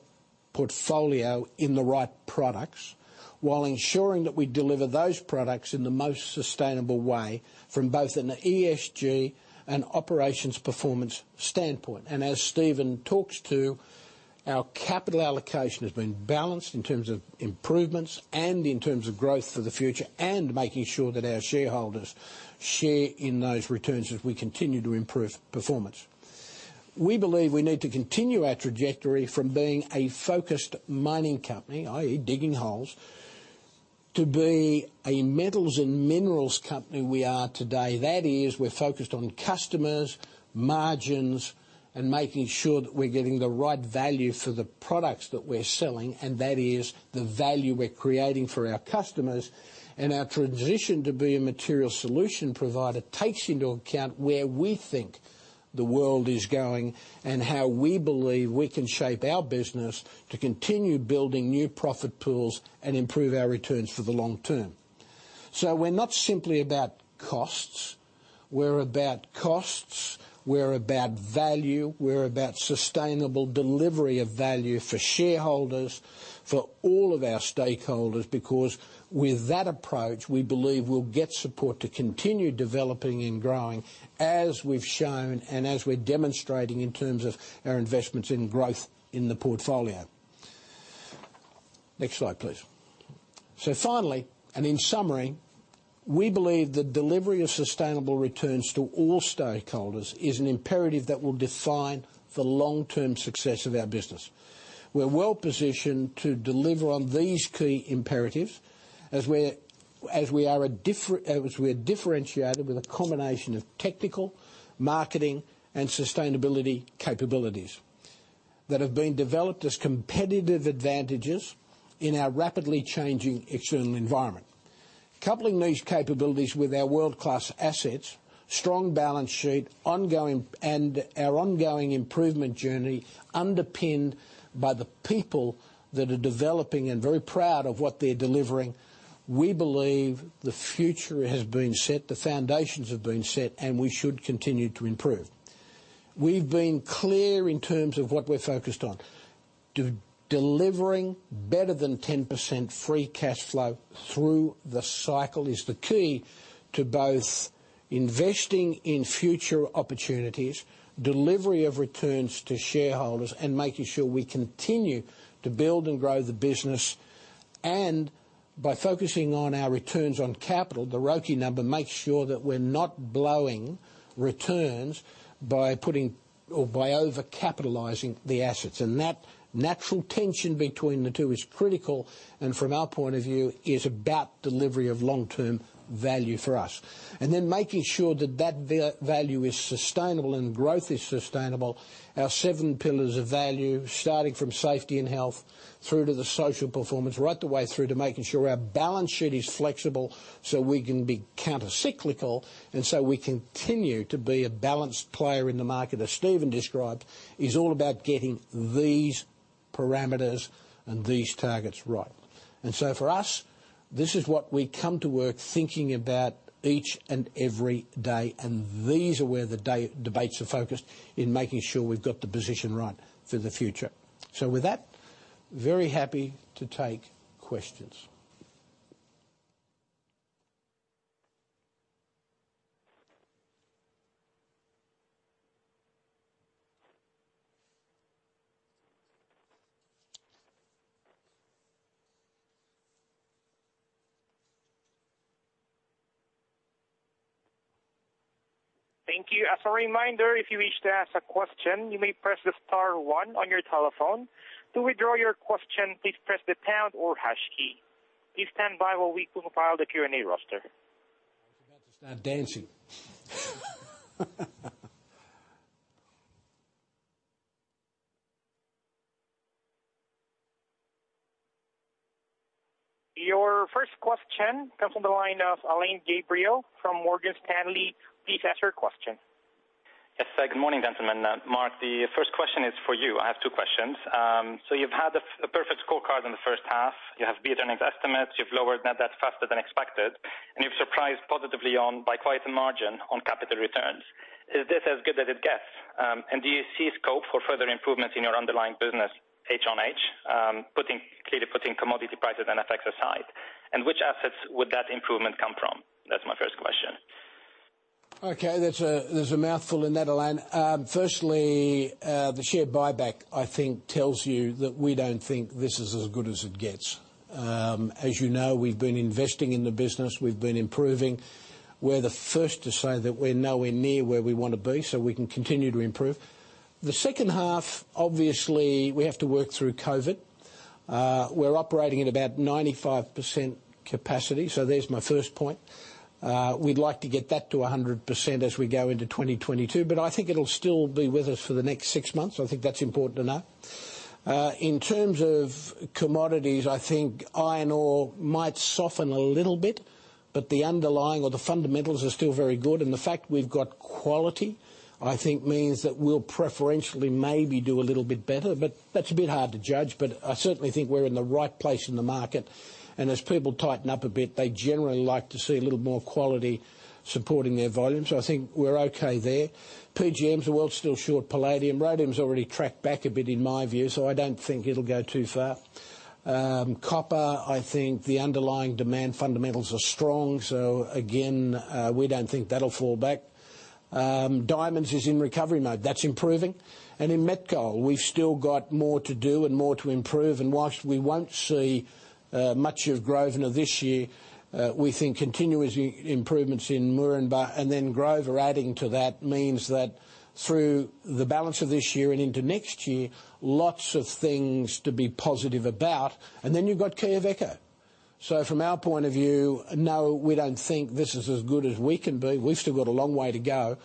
A: portfolio in the right products while ensuring that we deliver those products in the most sustainable way from both an ESG and operations performance standpoint. As Stephen talked to, our capital allocation has been balanced in terms of improvements and in terms of growth for the future, and making sure that our shareholders share in those returns as we continue to improve performance. We believe we need to continue our trajectory from being a focused mining company, i.e. digging holes, to be a metals and minerals company we are today. That is, we're focused on customers, margins, and making sure that we're getting the right value for the products that we're selling, and that is the value we're creating for our customers. Our transition to be a material solution provider takes into account where we think the world is going and how we believe we can shape our business to continue building new profit pools and improve our returns for the long term. We're not simply about costs. We're about costs, we're about value, we're about sustainable delivery of value for shareholders, for all of our stakeholders. With that approach, we believe we'll get support to continue developing and growing as we've shown and as we're demonstrating in terms of our investments in growth in the portfolio. Next slide, please. Finally, in summary, we believe that delivery of sustainable returns to all stakeholders is an imperative that will define the long-term success of our business. We're well-positioned to deliver on these key imperatives as we're differentiated with a combination of technical, marketing, and sustainability capabilities that have been developed as competitive advantages in our rapidly changing external environment. Coupling these capabilities with our world-class assets, strong balance sheet, and our ongoing improvement journey, underpinned by the people that are developing and very proud of what they're delivering. We believe the future has been set, the foundations have been set, and we should continue to improve. We've been clear in terms of what we're focused on. Delivering better than 10% free cash flow through the cycle is the key to both investing in future opportunities, delivery of returns to shareholders, and making sure we continue to build and grow the business. By focusing on our returns on capital, the ROCE number makes sure that we're not blowing returns by overcapitalizing the assets. That natural tension between the two is critical, and from our point of view, is about delivery of long-term value for us. Making sure that that value is sustainable and growth is sustainable. Our seven pillars of value, starting from safety and health through to the social performance, right the way through to making sure our balance sheet is flexible so we can be counter-cyclical and so we continue to be a balanced player in the market, as Stephen described, is all about getting these parameters and these targets right. For us, this is what we come to work thinking about each and every day, and these are where the debates are focused in making sure we've got the position right for the future. With that, very happy to take questions.
C: Thank you. As a reminder, if you wish to ask a question, you may press the star one on your telephone. To withdraw your question, please press the pound or hash key. Please stand by while we compile the Q&A roster.
A: I was about to start dancing.
C: Your first question comes on the line of Alain Gabriel from Morgan Stanley. Please ask your question.
D: Yes. Good morning, gentlemen. Mark, the first question is for you. I have two questions. You've had a perfect scorecard in the first half. You have beat earnings estimates. You've lowered net debt faster than expected. You've surprised positively by quite a margin on capital returns. Is this as good as it gets? Do you see scope for further improvements in your underlying business H on H? Clearly putting commodity prices and FX aside. Which assets would that improvement come from? That's my first question.
A: Okay. There's a mouthful in that, Alain. Firstly, the share buyback, I think, tells you that we don't think this is as good as it gets. As you know, we've been investing in the business. We've been improving. We're the first to say that we're nowhere near where we want to be, so we can continue to improve. The second half, obviously, we have to work through COVID. We're operating at about 95% capacity, so there's my first point. We'd like to get that to 100% as we go into 2022, but I think it'll still be with us for the next six months. I think that's important to know. In terms of commodities, I think iron ore might soften a little bit, but the underlying or the fundamentals are still very good. The fact we've got quality, I think means that we'll preferentially maybe do a little bit better, but that's a bit hard to judge. I certainly think we're in the right place in the market, and as people tighten up a bit, they generally like to see a little more quality supporting their volumes. I think we're okay there. PGMs, the world's still short palladium. Rhodium's already tracked back a bit in my view, so I don't think it'll go too far. Copper, I think the underlying demand fundamentals are strong. Again, we don't think that'll fall back. Diamonds is in recovery mode. That's improving. In Met Coal, we've still got more to do and more to improve. Whilst we won't see much of Grosvenor this year, we think continuous improvements in Moranbah, and then Grosvenor adding to that means that through the balance of this year and into next year, lots of things to be positive about. Then you've got Quellaveco. From our point of view, no, we don't think this is as good as we can be. We've still got a long way to go.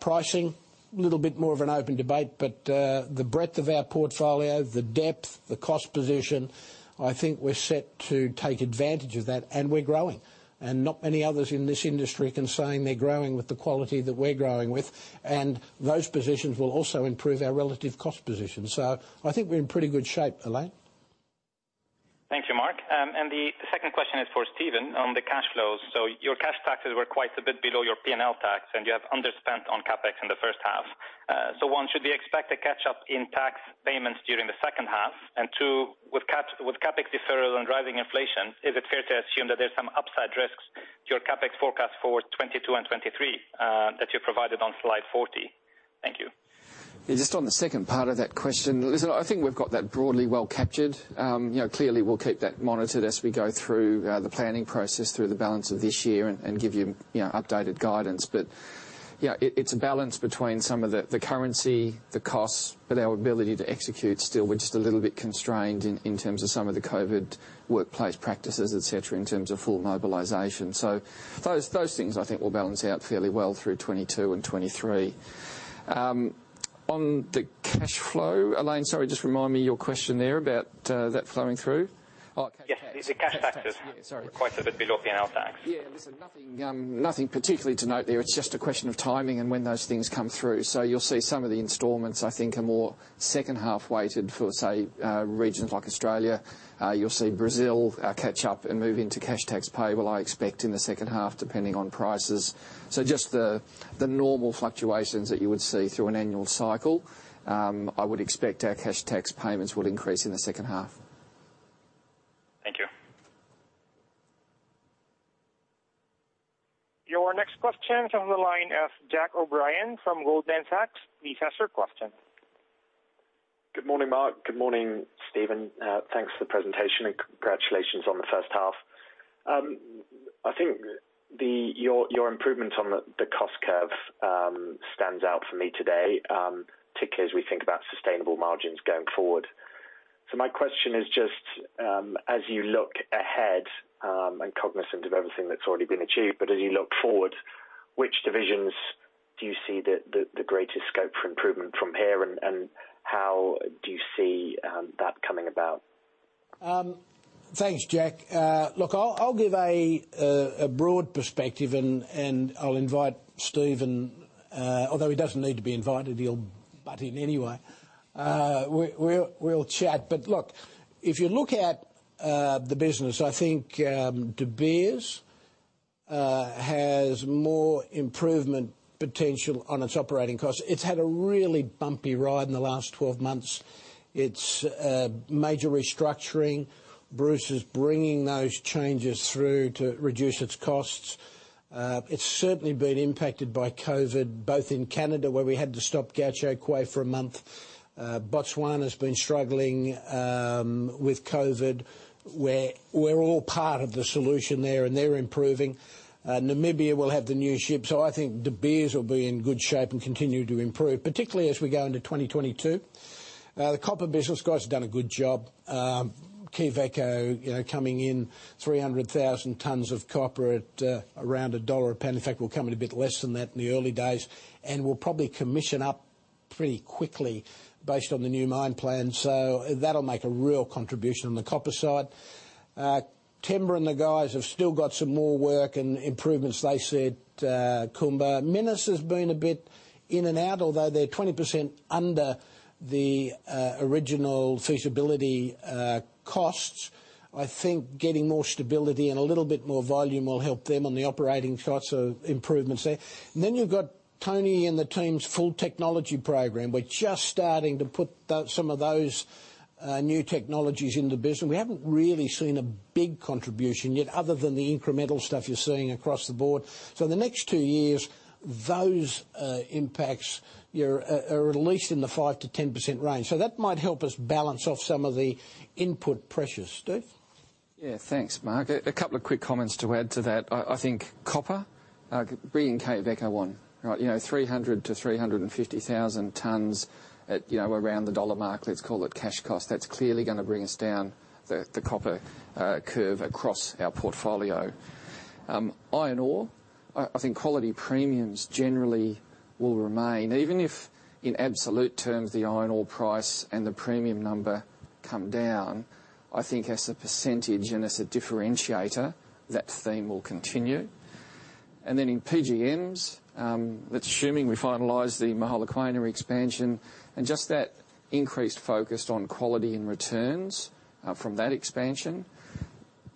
A: Pricing, a little bit more of an open debate, but the breadth of our portfolio, the depth, the cost position, I think we're set to take advantage of that, and we're growing. Not many others in this industry can say they're growing with the quality that we're growing with. Those positions will also improve our relative cost position. I think we're in pretty good shape, Alain.
D: Thank you, Mark. The second question is for Stephen on the cash flows. Your cash taxes were quite a bit below your P&L tax, and you have underspent on CapEx in the first half. One, should we expect a catch-up in tax payments during the second half? Two, with CapEx deferrals and driving inflation, is it fair to assume that there's some upside risks to your CapEx forecast for 2022 and 2023 that you provided on slide 40? Thank you.
B: Just on the second part of that question, listen, I think we've got that broadly well captured. Clearly, we'll keep that monitored as we go through the planning process through the balance of this year and give you updated guidance. It's a balance between some of the currency, the costs, but our ability to execute still, we're just a little bit constrained in terms of some of the COVID workplace practices, et cetera, in terms of full mobilization. Those things I think will balance out fairly well through 2022 and 2023. On the cash flow, Alain, sorry, just remind me your question there about that flowing through. Oh, cash tax.
D: Yes.
B: Sorry
D: Were quite a bit below P&L tax.
B: Yeah. Listen, nothing particularly to note there. It's just a question of timing and when those things come through. You'll see some of the installments I think are more second half-weighted for, say, regions like Australia. You'll see Brazil catch up and move into cash tax payable, I expect in the second half, depending on prices. Just the normal fluctuations that you would see through an annual cycle. I would expect our cash tax payments will increase in the second half.
D: Thank you.
C: Your next question comes on the line of Jack O'Brien from Goldman Sachs with investor question.
E: Good morning, Mark. Good morning, Stephen. Thanks for the presentation, and congratulations on the first half. I think your improvements on the cost curve stands out for me today, particularly as we think about sustainable margins going forward. My question is just as you look ahead, and cognizant of everything that's already been achieved, but as you look forward, which divisions do you see the greatest scope for improvement from here, and how do you see that coming about?
A: Thanks, Jack. Look, I'll give a broad perspective, and I'll invite Stephen, although he doesn't need to be invited, he'll butt in anyway. We'll chat. Look, if you look at the business, I think De Beers has more improvement potential on its operating costs. It's had a really bumpy ride in the last 12 months. It's major restructuring. Bruce is bringing those changes through to reduce its costs. It's certainly been impacted by COVID, both in Canada, where we had to stop Gahcho Kué for a month. Botswana's been struggling with COVID, where we're all part of the solution there, and they're improving. Namibia will have the new ship. I think De Beers will be in good shape and continue to improve, particularly as we go into 2022. The copper business guys have done a good job. Quellaveco coming in 300,000 tons of copper at around $1 a pound. In fact, we'll come in a bit less than that in the early days. We'll probably commission up pretty quickly based on the new mine plan. That'll make a real contribution on the copper side. Themba and the guys have still got some more work and improvements they said, Kumba. Minas-Rio has been a bit in and out, although they're 20% under the original feasibility costs. I think getting more stability and a little bit more volume will help them on the operating shots of improvements there. Then you've got Tony and the team's full technology program. We're just starting to put some of those new technologies in the business. We haven't really seen a big contribution yet other than the incremental stuff you're seeing across the board. In the next two years, those impacts are at least in the 5%-10% range. That might help us balance off some of the input pressures. Stephen?
B: Yeah. Thanks, Mark. A couple of quick comments to add to that. I think copper, bringing Quellaveco on, 300,000-350,000 tonnes at around the $1 mark, let's call it cash cost. That's clearly going to bring us down the copper curve across our portfolio. Iron ore, I think quality premiums generally will remain, even if in absolute terms, the iron ore price and the premium number come down. I think as a percentage and as a differentiator, that theme will continue. Then in PGMs, that's assuming we finalize the Mogalakwena expansion and just that increased focus on quality and returns from that expansion.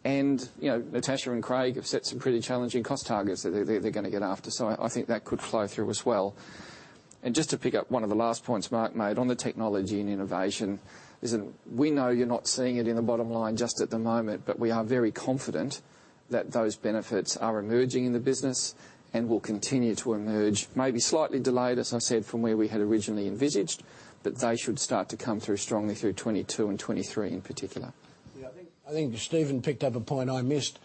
B: Natasha and Craig have set some pretty challenging cost targets that they're going to get after. I think that could flow through as well. Just to pick up one of the last points Mark made on the technology and innovation, listen, we know you're not seeing it in the bottom line just at the moment, but we are very confident that those benefits are emerging in the business and will continue to emerge. Maybe slightly delayed, as I said, from where we had originally envisaged, but they should start to come through strongly through 2022 and 2023 in particular.
A: Yeah, I think Stephen picked up a point I missed.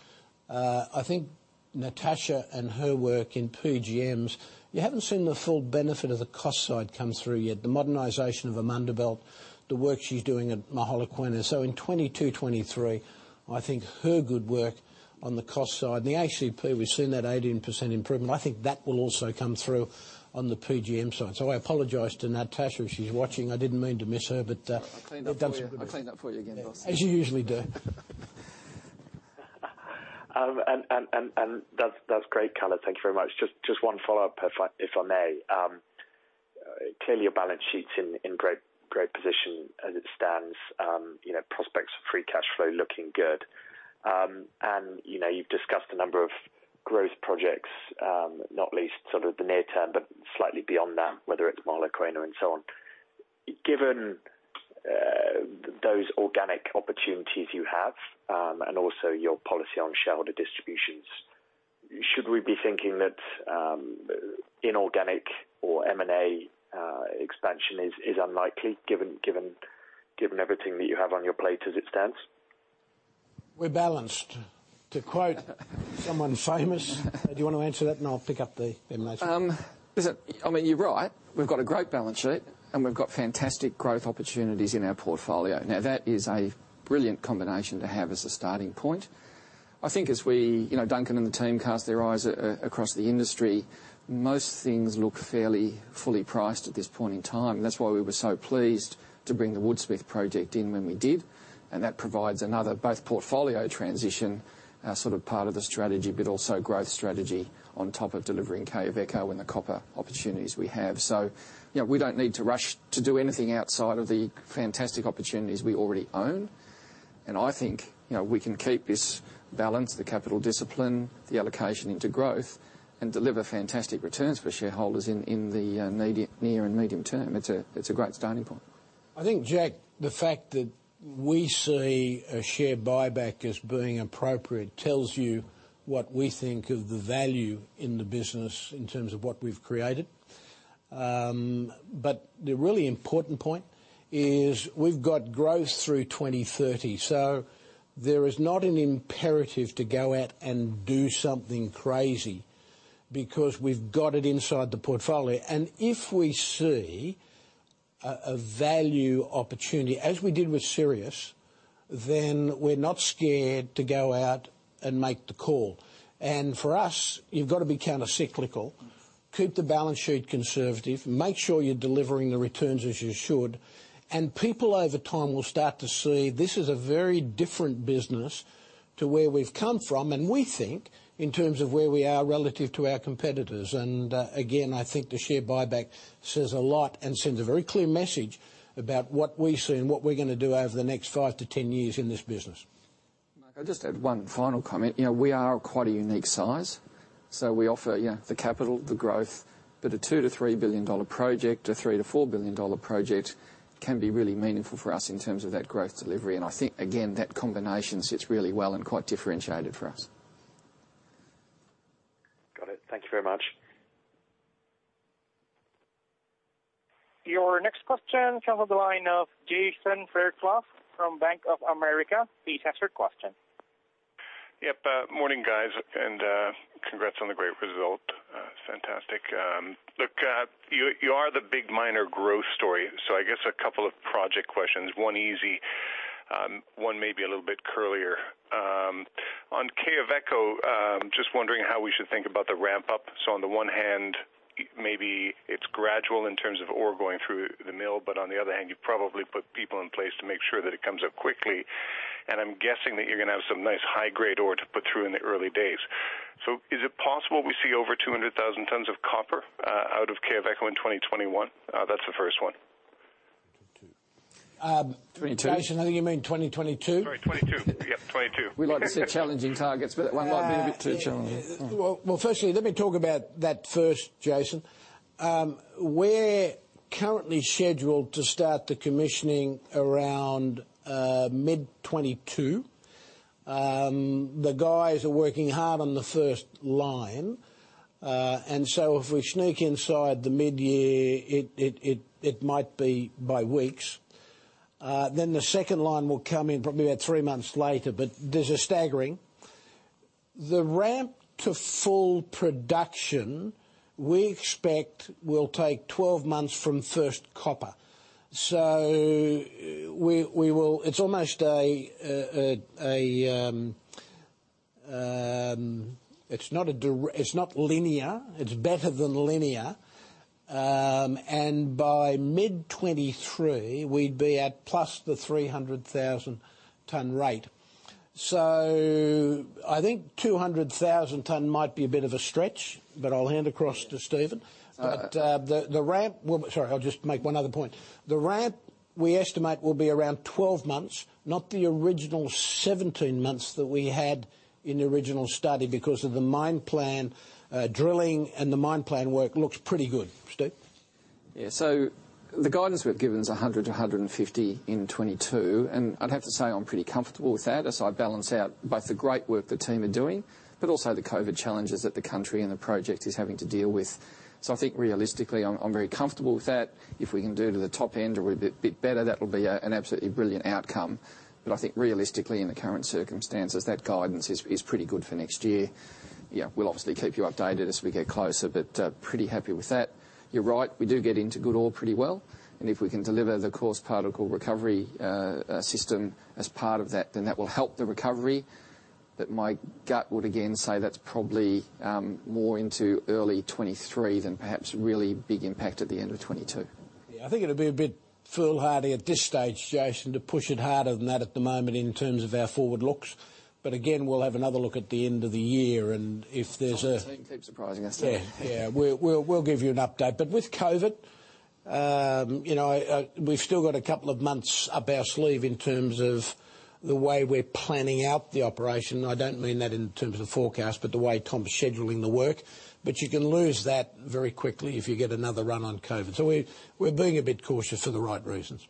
A: I think Natasha and her work in PGMs, you haven't seen the full benefit of the cost side come through yet. The modernization of Amandelbult, the work she's doing at Mogalakwena. In 2022, 2023, I think her good work on the cost side, and the ACP, we've seen that 18% improvement, I think that will also come through on the PGM side. I apologize to Natasha if she's watching. I didn't mean to miss her.
B: I cleaned up for you. I cleaned up for you again, boss
A: As you usually do.
E: That's great, Cutifani. Thank you very much. Just one follow-up, if I may. Clearly, your balance sheet's in great position as it stands. Prospects for free cash flow looking good. You've discussed a number of growth projects, not least sort of the near term, but slightly beyond that, whether it's Mogalakwena and so on. Given those organic opportunities you have and also your policy on shareholder distributions, should we be thinking that inorganic or M&A expansion is unlikely given everything that you have on your plate as it stands?
A: We're balanced. To quote someone famous. Do you want to answer that and I'll pick up the M&A?
B: Listen, you're right. We've got a great balance sheet, and we've got fantastic growth opportunities in our portfolio. That is a brilliant combination to have as a starting point. I think as we, Duncan and the team cast their eyes across the industry, most things look fairly, fully priced at this point in time. That's why we were so pleased to bring the Woodsmith project in when we did, and that provides another both portfolio transition as sort of part of the strategy, but also growth strategy on top of delivering Quellaveco and the copper opportunities we have. We don't need to rush to do anything outside of the fantastic opportunities we already own. I think we can keep this balance, the capital discipline, the allocation into growth, and deliver fantastic returns for shareholders in the near and medium term. It's a great starting point.
A: I think, Jack, the fact that we see a share buyback as being appropriate tells you what we think of the value in the business in terms of what we've created. The really important point is we've got growth through 2030. There is not an imperative to go out and do something crazy because we've got it inside the portfolio. If we see a value opportunity, as we did with Sirius, then we're not scared to go out and make the call. For us, you've got to be countercyclical. Keep the balance sheet conservative. Make sure you're delivering the returns as you should. People over time will start to see this is a very different business to where we've come from, and we think in terms of where we are relative to our competitors. Again, I think the share buyback says a lot and sends a very clear message about what we see and what we're going to do over the next 5-10 years in this business.
B: Mark, I'll just add one final comment. We are quite a unique size. We offer the capital, the growth. A $2 billion-$3 billion project, a $3 billion-$4 billion project can be really meaningful for us in terms of that growth delivery. I think, again, that combination sits really well and quite differentiated for us.
E: Got it. Thank you very much.
C: Your next question comes on the line of Jason Fairclough from Bank of America. Please ask your question.
F: Yep. Morning, guys. Congrats on the great result. Fantastic. Look, you are the big miner growth story. I guess a couple of project questions. One easy, one may be a little bit curlier. On Quellaveco, just wondering how we should think about the ramp-up. On the one hand, maybe it's gradual in terms of ore going through the mill, but on the other hand, you've probably put people in place to make sure that it comes up quickly. I'm guessing that you're going to have some nice high-grade ore to put through in the early days. Is it possible we see over 200,000 tons of copper out of Quellaveco in 2021? That's the first one.
A: 22.
B: 22?
A: Jason, I think you mean 2022?
F: Sorry, 2022. Yep, 2022.
B: We like to set challenging targets, but that one might be a bit too challenging.
A: Well, firstly, let me talk about that first, Jason. We're currently scheduled to start the commissioning around mid 2022. The guys are working hard on the first line. If we sneak inside the mid-year, it might be by weeks. The second line will come in probably about three months later. The ramp to full production we expect will take 12 months from first copper. It's not linear, it's better than linear. By mid 2023, we'd be at plus the 300,000 ton rate. I think 200,000 ton might be a bit of a stretch, but I'll hand across to Stephen. Well, sorry, I'll just make one other point. The ramp, we estimate, will be around 12 months, not the original 17 months that we had in the original study because of the mine plan drilling and the mine plan work looks pretty good. Stephen?
B: Yeah. The guidance we've given is 100-150 in 2022. I'd have to say I'm pretty comfortable with that as I balance out both the great work the team are doing, but also the COVID challenges that the country and the project is having to deal with. I think realistically, I'm very comfortable with that. If we can do to the top end or a bit better, that'll be an absolutely brilliant outcome. I think realistically, in the current circumstances, that guidance is pretty good for next year. Yeah. We'll obviously keep you updated as we get closer, but pretty happy with that. You're right, we do get into good ore pretty well, and if we can deliver the coarse particle recovery system as part of that, then that will help the recovery. My gut would again say that's probably more into early 2023 than perhaps really big impact at the end of 2022.
A: Yeah. I think it'd be a bit foolhardy at this stage, Jason, to push it harder than that at the moment in terms of our forward looks. Again, we'll have another look at the end of the year.
F: Tom and the team keep surprising us.
A: Yeah. We'll give you an update. With COVID, we've still got a couple of months up our sleeve in terms of the way we're planning out the operation. I don't mean that in terms of forecast, but the way Tom's scheduling the work. You can lose that very quickly if you get another run on COVID. We're being a bit cautious for the right reasons.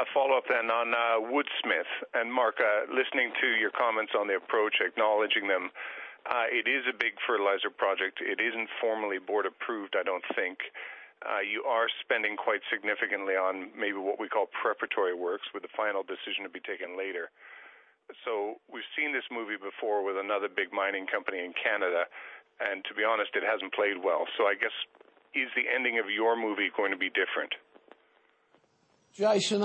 F: Okay, thanks. Just a follow-up then on Woodsmith. Mark, listening to your comments on the approach, acknowledging them. It is a big fertilizer project. It isn't formally board approved, I don't think. You are spending quite significantly on maybe what we call preparatory works with the final decision to be taken later. We've seen this movie before with another big mining company in Canada, and to be honest, it hasn't played well. I guess, is the ending of your movie going to be different?
A: Jason,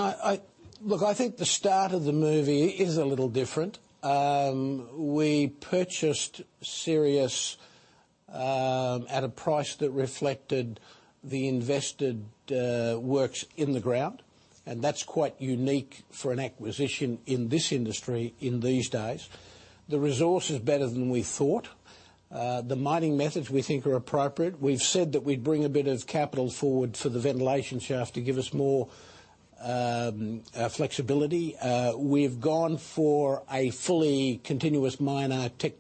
A: look, I think the start of the movie is a little different. We purchased Sirius at a price that reflected the invested works in the ground, and that's quite unique for an acquisition in this industry in these days. The resource is better than we thought. The mining methods we think are appropriate. We've said that we'd bring a bit of capital forward for the ventilation shaft to give us more flexibility. We've gone for a fully continuous miner tech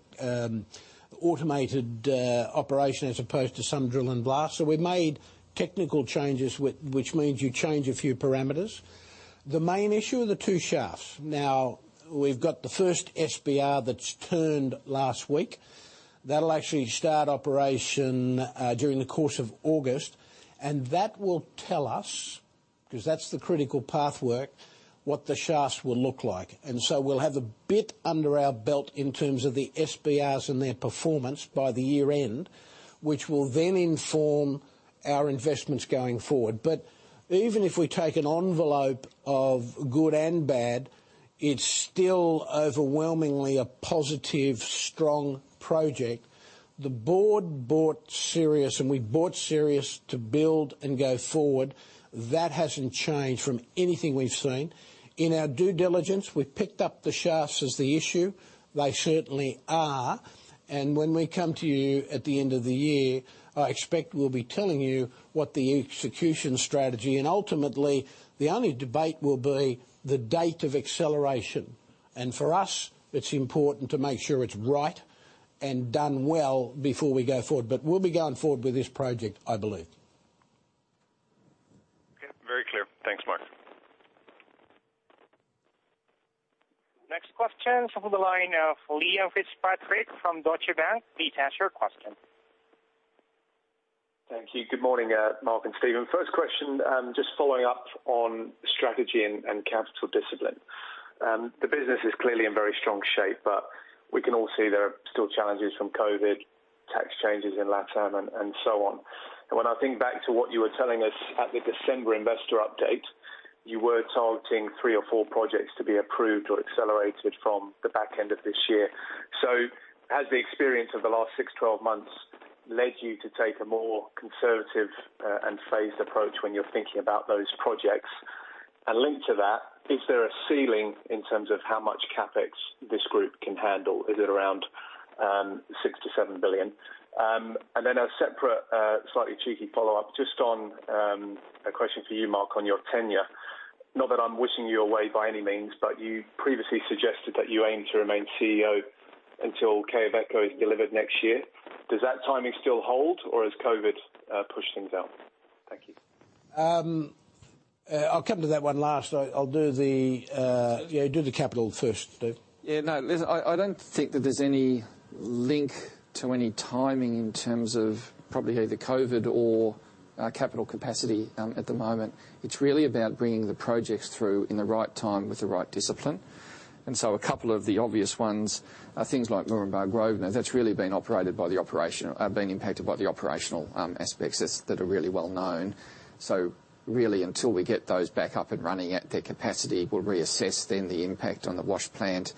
A: automated operation as opposed to some drill and blast. We've made technical changes which means you change a few parameters. The main issue are the two shafts. Now, we've got the first SBR that's turned last week. That'll actually start operation during the course of August. That will tell us, because that's the critical path work, what the shafts will look like. We'll have a bit under our belt in terms of the SBRs and their performance by the year-end, which will then inform our investments going forward. Even if we take an envelope of good and bad, it's still overwhelmingly a positive, strong project. The board bought Sirius, and we bought Sirius to build and go forward. That hasn't changed from anything we've seen. In our due diligence, we've picked up the shafts as the issue. They certainly are. When we come to you at the end of the year, I expect we'll be telling you what the execution strategy. Ultimately, the only debate will be the date of acceleration. For us, it's important to make sure it's right and done well before we go forward. We'll be going forward with this project, I believe.
F: Okay. Very clear. Thanks, Mark.
C: Next question is from the line of Liam Fitzpatrick from Deutsche Bank. Please ask your question.
G: Thank you. Good morning, Mark and Stephen. First question, just following up on strategy and capital discipline. The business is clearly in very strong shape. We can all see there are still challenges from COVID, tax changes in LatAm, and so on. When I think back to what you were telling us at the December investor update, you were targeting three or four projects to be approved or accelerated from the back end of this year. Has the experience of the last 6, 12 months led you to take a more conservative, and phased approach when you're thinking about those projects? Linked to that, is there a ceiling in terms of how much CapEx this group can handle? Is it around $6 billion-$7 billion? A separate, slightly cheeky follow-up just on, a question for you, Mark, on your tenure. Not that I'm wishing you away by any means, but you previously suggested that you aim to remain CEO until Quellaveco is delivered next year. Does that timing still hold, or has COVID pushed things out? Thank you.
A: I'll come to that one last. I'll do the capital first, Stephen.
B: Yeah, no, listen, I don't think that there's any link to any timing in terms of probably either COVID or capital capacity at the moment. It's really about bringing the projects through in the right time with the right discipline. A couple of the obvious ones are things like Moranbah Grosvenor. That's really been impacted by the operational aspects that are really well known. Really until we get those back up and running at their capacity, we'll reassess then the impact on the wash plant.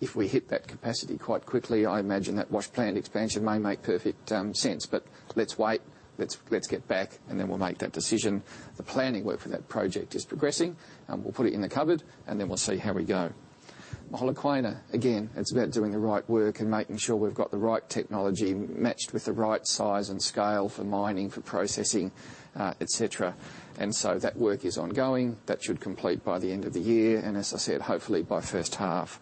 B: If we hit that capacity quite quickly, I imagine that wash plant expansion may make perfect sense. Let's wait, let's get back, we'll make that decision. The planning work for that project is progressing, and we'll put it in the cupboard, and then we'll see how we go. Mogalakwena, it's about doing the right work and making sure we've got the right technology matched with the right size and scale for mining, for processing, et cetera. That work is ongoing. That should complete by the end of the year. As I said, hopefully by first half.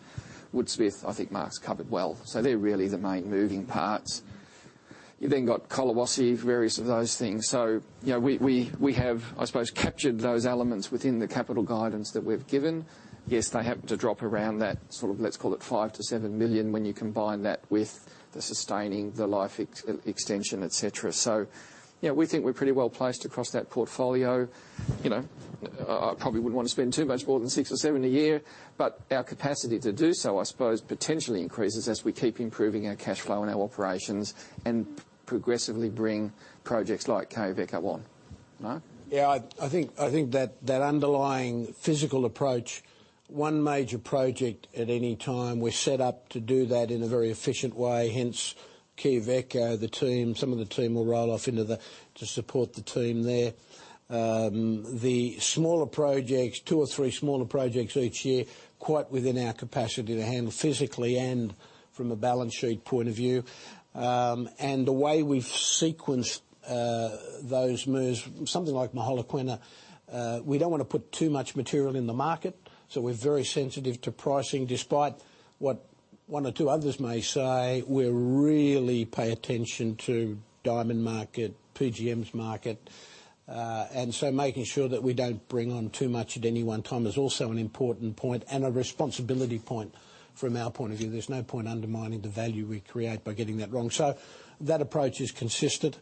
B: Woodsmith, I think Mark's covered well. They're really the main moving parts. You've got Collahuasi, various of those things. We have, I suppose, captured those elements within the capital guidance that we've given. Yes, they happen to drop around that, sort of let's call it $5 million-$7 million when you combine that with the sustaining, the life extension, et cetera. We think we're pretty well-placed across that portfolio. I probably wouldn't want to spend too much more than $6 or $7 a year, but our capacity to do so, I suppose, potentially increases as we keep improving our cash flow and our operations and progressively bring projects like Quellaveco on. Mark?
A: Yeah, I think that underlying physical approach, one major project at any time, we're set up to do that in a very efficient way, hence Quellaveco. Some of the team will roll off into support the team there. The smaller projects, two or three smaller projects each year, quite within our capacity to handle physically and from a balance sheet point of view. The way we've sequenced those moves, something like Mogalakwena, we don't want to put too much material in the market, so we're very sensitive to pricing. Despite what one or two others may say, we really pay attention to diamond market, PGMs market. Making sure that we don't bring on too much at any one time is also an important point and a responsibility point from our point of view. There's no point undermining the value we create by getting that wrong. That approach is consistent.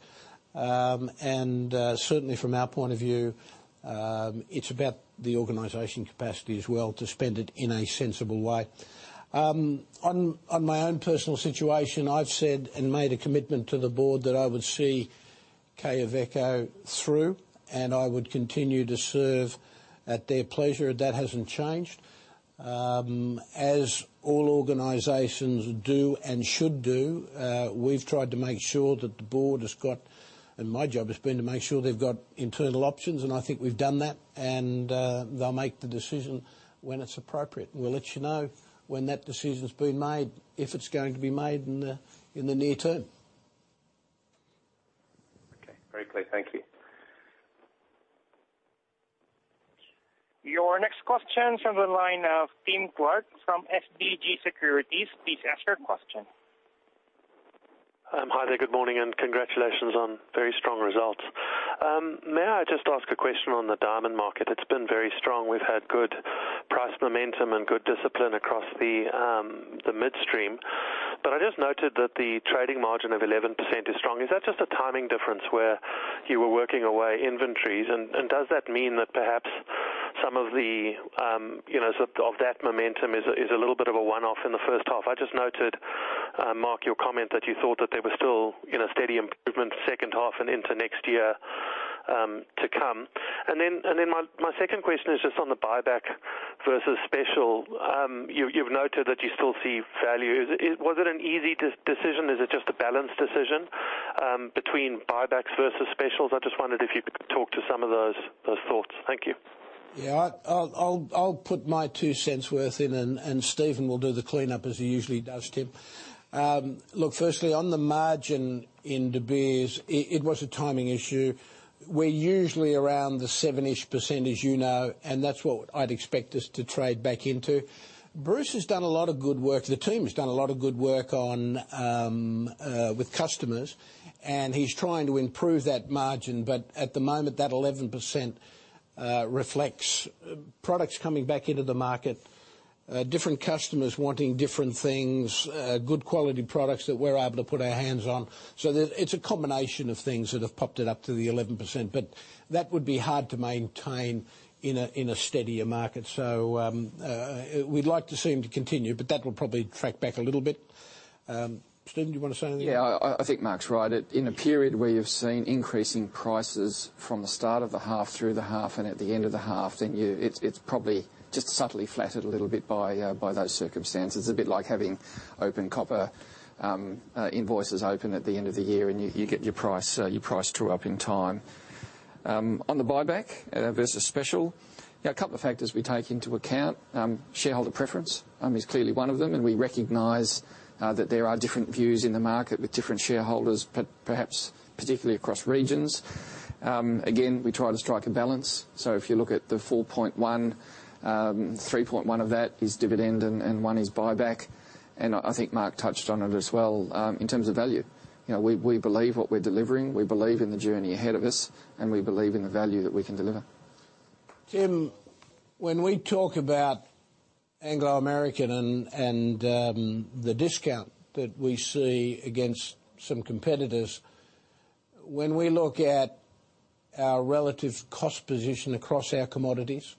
A: Certainly, from our point of view, it's about the organization capacity as well to spend it in a sensible way. On my own personal situation, I've said and made a commitment to the Board that I would see Quellaveco through, and I would continue to serve at their pleasure. That hasn't changed. As all organizations do and should do, we've tried to make sure that the Board has got, and my job has been to make sure they've got internal options, and I think we've done that. They'll make the decision when it's appropriate. We'll let you know when that decision's been made, if it's going to be made in the near term.
G: Okay. Very clear. Thank you.
C: Your next question from the line of Tim Clark from SBG Securities. Please ask your question.
H: Hi there. Good morning, and congratulations on very strong results. May I just ask a question on the diamond market? It's been very strong. We've had good price momentum and good discipline across the midstream. I just noted that the trading margin of 11% is strong. Is that just a timing difference where you were working away inventories? Does that mean that perhaps some of that momentum is a little bit of a one-off in the first half? I just noted, Mark, your comment that you thought that there was still steady improvement second half and into next year to come. My second question is just on the buyback versus special. You've noted that you still see value. Was it an easy decision? Is it just a balanced decision between buybacks versus specials? I just wondered if you could talk to some of those thoughts. Thank you.
A: Yeah. I'll put my two cents worth in, and Stephen will do the cleanup as he usually does, Tim. Look, firstly, on the margin in De Beers, it was a timing issue. We're usually around the 7-ish%, as you know, and that's what I'd expect us to trade back into. Bruce has done a lot of good work. The team has done a lot of good work with customers, and he's trying to improve that margin. At the moment, that 11% reflects products coming back into the market, different customers wanting different things, good quality products that we're able to put our hands on. It's a combination of things that have popped it up to the 11%, but that would be hard to maintain in a steadier market. We'd like to see them to continue, but that will probably track back a little bit. Stephen, do you want to say anything?
B: Yeah, I think Mark's right. In a period where you've seen increasing prices from the start of the half through the half and at the end of the half, it's probably just subtly flattered a little bit by those circumstances. A bit like having open copper invoices open at the end of the year and you get your price true up in time. On the buyback versus special, a couple of factors we take into account. Shareholder preference is clearly one of them. We recognize that there are different views in the market with different shareholders, perhaps particularly across regions. We try to strike a balance. If you look at the $4.1, $3.1 of that is dividend and $1 is buyback. I think Mark touched on it as well, in terms of value. We believe what we're delivering, we believe in the journey ahead of us, and we believe in the value that we can deliver.
A: Tim, when we talk about Anglo American and the discount that we see against some competitors. When we look at our relative cost position across our commodities,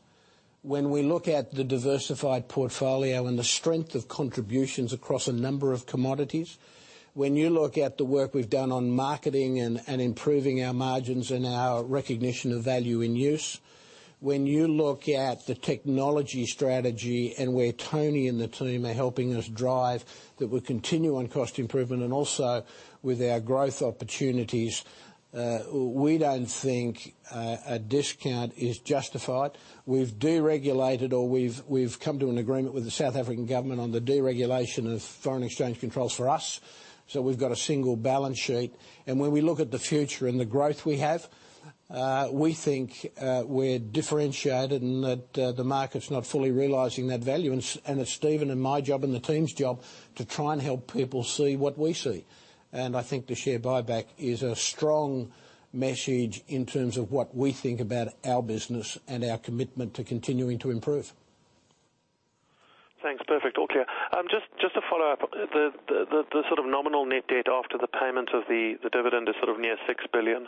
A: when we look at the diversified portfolio and the strength of contributions across a number of commodities. When you look at the work we've done on marketing and improving our margins and our recognition of value in use. When you look at the technology strategy and where Tony and the team are helping us drive, that we continue on cost improvement and also with our growth opportunities, we don't think a discount is justified. We've deregulated or we've come to an agreement with the South African government on the deregulation of foreign exchange controls for us. We've got a single balance sheet. When we look at the future and the growth we have, we think we're differentiated and that the market's not fully realizing that value. It's Stephen and my job and the team's job to try and help people see what we see. I think the share buyback is a strong message in terms of what we think about our business and our commitment to continuing to improve.
H: Thanks. Perfect. All clear. Just to follow up. The sort of nominal net debt after the payment of the dividend is sort of near $6 billion.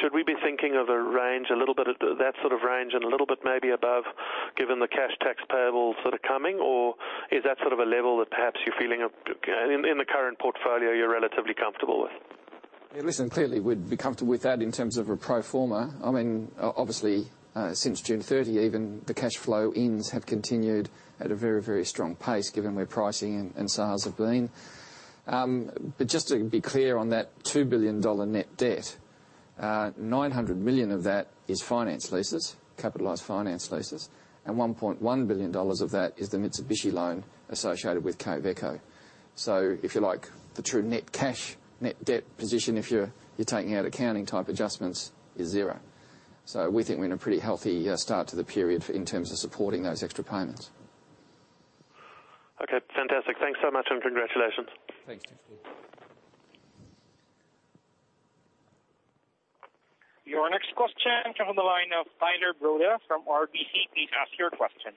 H: Should we be thinking of a range, a little bit of that sort of range and a little bit maybe above, given the cash tax payable sort of coming? Is that sort of a level that perhaps you're feeling in the current portfolio you're relatively comfortable with?
B: Yeah, listen, clearly we'd be comfortable with that in terms of a pro forma. Obviously since June 30 even, the cash flow ins have continued at a very strong pace given where pricing and sales have been. Just to be clear on that $2 billion net debt, $900 million of that is finance leases, capitalized finance leases, and $1.1 billion of that is the Mitsubishi loan associated with Quellaveco. If you like, the true net cash, net debt position, if you're taking out accounting type adjustments is zero. We think we're in a pretty healthy start to the period in terms of supporting those extra payments.
H: Okay, fantastic. Thanks so much and congratulations.
A: Thanks.
C: Your next question comes on the line of Tyler Broda from RBC. Please ask your question.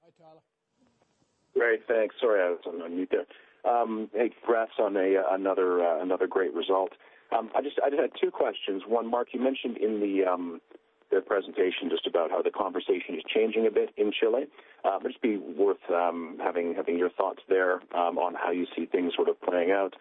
A: Hi, Tyler.
I: Great, thanks. Sorry, I was on mute there. Hey, congrats on another great result. I just had two questions. One, Mark, you mentioned in the presentation just about how the conversation is changing a bit in Chile. It'd just be worth having your thoughts there on how you see things sort of playing out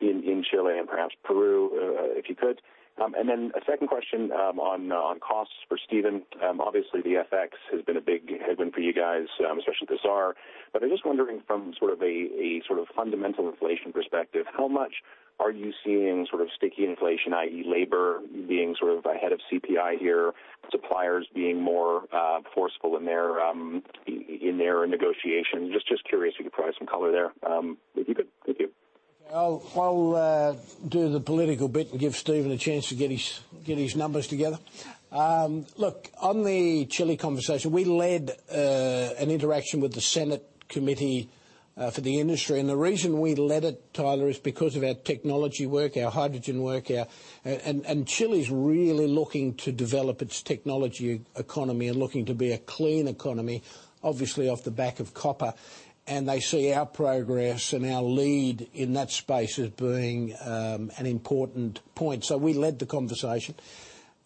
I: in Chile and perhaps Peru if you could. Then a second question on costs for Stephen. Obviously the FX has been a big headwind for you guys, especially ZAR. I'm just wondering from a sort of fundamental inflation perspective, how much are you seeing sort of sticky inflation, i.e. labor being sort of ahead of CPI here, suppliers being more forceful in their negotiation. Just curious if you could provide some color there if you could. Thank you.
A: I'll do the political bit and give Stephen a chance to get his numbers together. Look, on the Chile conversation, we led an interaction with the Senate committee for the industry. The reason we led it, Tyler, is because of our technology work, our hydrogen work. Chile's really looking to develop its technology economy and looking to be a clean economy, obviously off the back of copper. They see our progress and our lead in that space as being an important point. We led the conversation.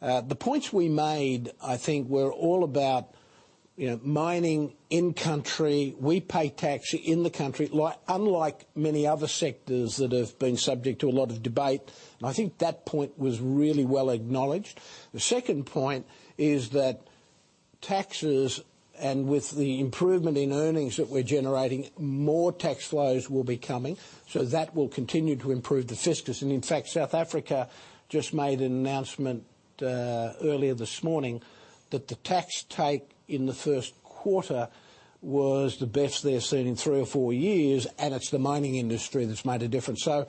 A: The points we made, I think, were all about mining in country. We pay tax in the country, unlike many other sectors that have been subject to a lot of debate. I think that point was really well acknowledged. The second point is that taxes and with the improvement in earnings that we're generating, more tax flows will be coming. That will continue to improve the fiscals. In fact, South Africa just made an announcement earlier this morning that the tax take in the 1st quarter was the best they've seen in three or four years, and it's the mining industry that's made a difference. Our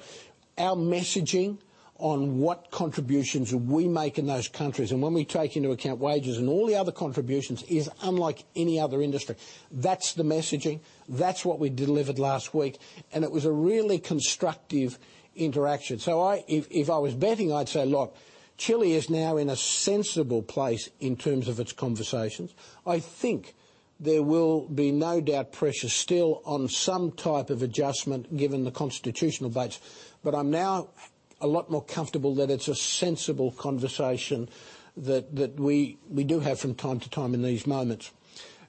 A: messaging on what contributions we make in those countries and when we take into account wages and all the other contributions is unlike any other industry. That's the messaging. That's what we delivered last week, and it was a really constructive interaction. If I was betting, I'd say, look, Chile is now in a sensible place in terms of its conversations. I think there will be no doubt pressure still on some type of adjustment given the constitutional votes. I'm now a lot more comfortable that it's a sensible conversation that we do have from time to time in these moments.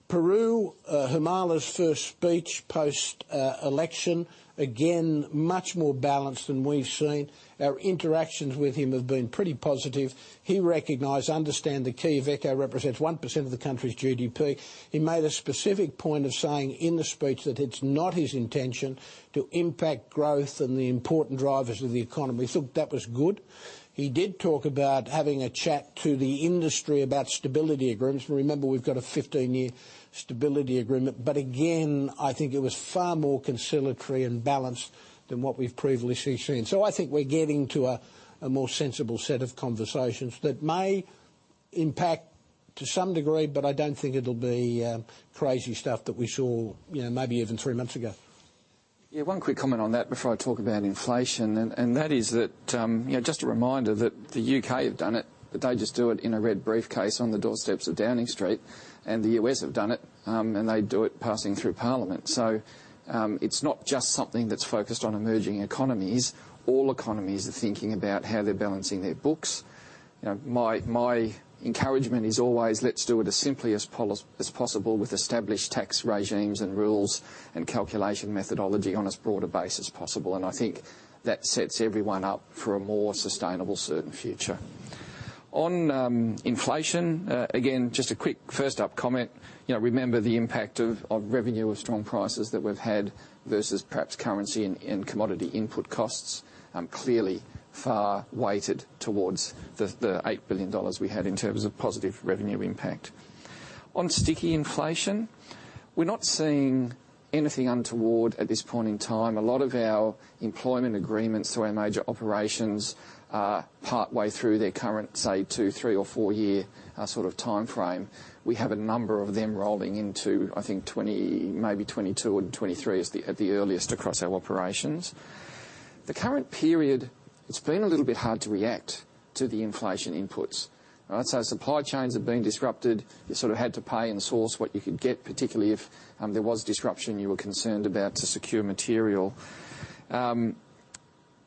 A: Peru, Pedro Castillo's first speech post-election, again, much more balanced than we've seen. Our interactions with him have been pretty positive. He recognized, understand that Quellaveco represents 1% of the country's GDP. He made a specific point of saying in the speech that it's not his intention to impact growth and the important drivers of the economy. That was good. He did talk about having a chat to the industry about stability agreements. Remember, we've got a 15-year stability agreement. Again, I think it was far more conciliatory and balanced than what we've previously seen. I think we're getting to a more sensible set of conversations that may impact to some degree, but I don't think it'll be crazy stuff that we saw maybe even three months ago.
B: Yeah. One quick comment on that before I talk about inflation, that is that just a reminder that the U.K. have done it, but they just do it in a red briefcase on the doorsteps of Downing Street, and the U.S. have done it, and they do it passing through Parliament. It's not just something that's focused on emerging economies. All economies are thinking about how they're balancing their books. My encouragement is always, let's do it as simply as possible with established tax regimes and rules and calculation methodology on as broad a base as possible. I think that sets everyone up for a more sustainable, certain future. On inflation, again, just a quick first up comment. Remember the impact of revenue of strong prices that we've had versus perhaps currency and commodity input costs, clearly far weighted towards the $8 billion we had in terms of positive revenue impact. On sticky inflation, we're not seeing anything untoward at this point in time. A lot of our employment agreements through our major operations are partway through their current, say, two, three, or four-year sort of timeframe. We have a number of them rolling into, I think, maybe 2022 or 2023 at the earliest across our operations. The current period, it's been a little bit hard to react to the inflation inputs. Supply chains have been disrupted. You sort of had to pay and source what you could get, particularly if there was disruption you were concerned about to secure material.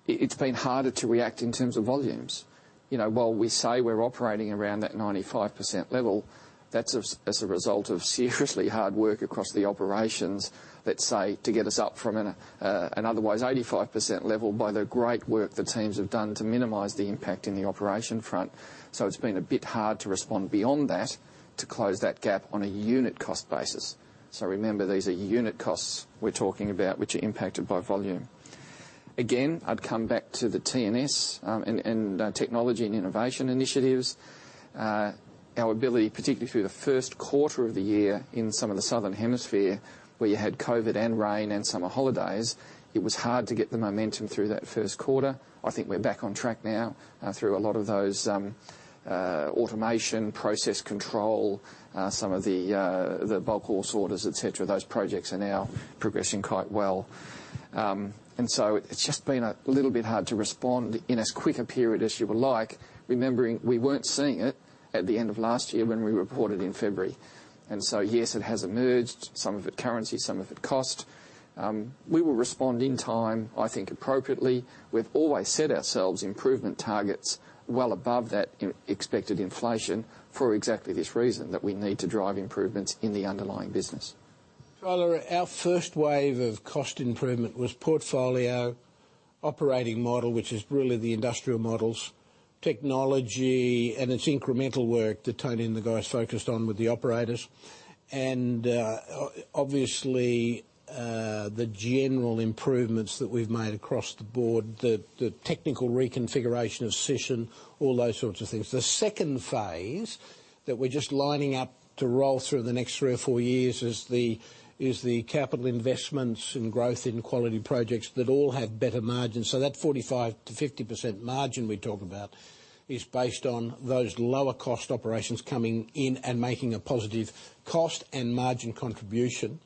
B: It's been harder to react in terms of volumes. While we say we're operating around that 95% level, that's as a result of seriously hard work across the operations, let's say, to get us up from an otherwise 85% level by the great work the teams have done to minimize the impact in the operation front. It's been a bit hard to respond beyond that to close that gap on a unit cost basis. Remember, these are unit costs we're talking about, which are impacted by volume. I'd come back to the T&S and technology and innovation initiatives. Our ability, particularly through the first quarter of the year in some of the Southern Hemisphere, where you had COVID and rain and summer holidays, it was hard to get the momentum through that first quarter. I think we're back on track now through a lot of those automation, process control, some of the bulk ore sorters, et cetera. Those projects are now progressing quite well. It's just been a little bit hard to respond in as quick a period as you would like, remembering we weren't seeing it at the end of last year when we reported in February. Yes, it has emerged, some of it currency, some of it cost. We will respond in time, I think appropriately. We've always set ourselves improvement targets well above that expected inflation for exactly this reason, that we need to drive improvements in the underlying business.
A: Tyler, our first wave of cost improvement was portfolio operating model, which is really the industrial model's technology and its incremental work that Tony and the guys focused on with the operators. Obviously, the general improvements that we've made across the board, the technical reconfiguration of Sishen, all those sorts of things. The second phase that we're just lining up to roll through in the next three or four years is the capital investments and growth in quality projects that all have better margins. That 45%-50% margin we talk about is based on those lower-cost operations coming in and making a positive cost and margin contribution.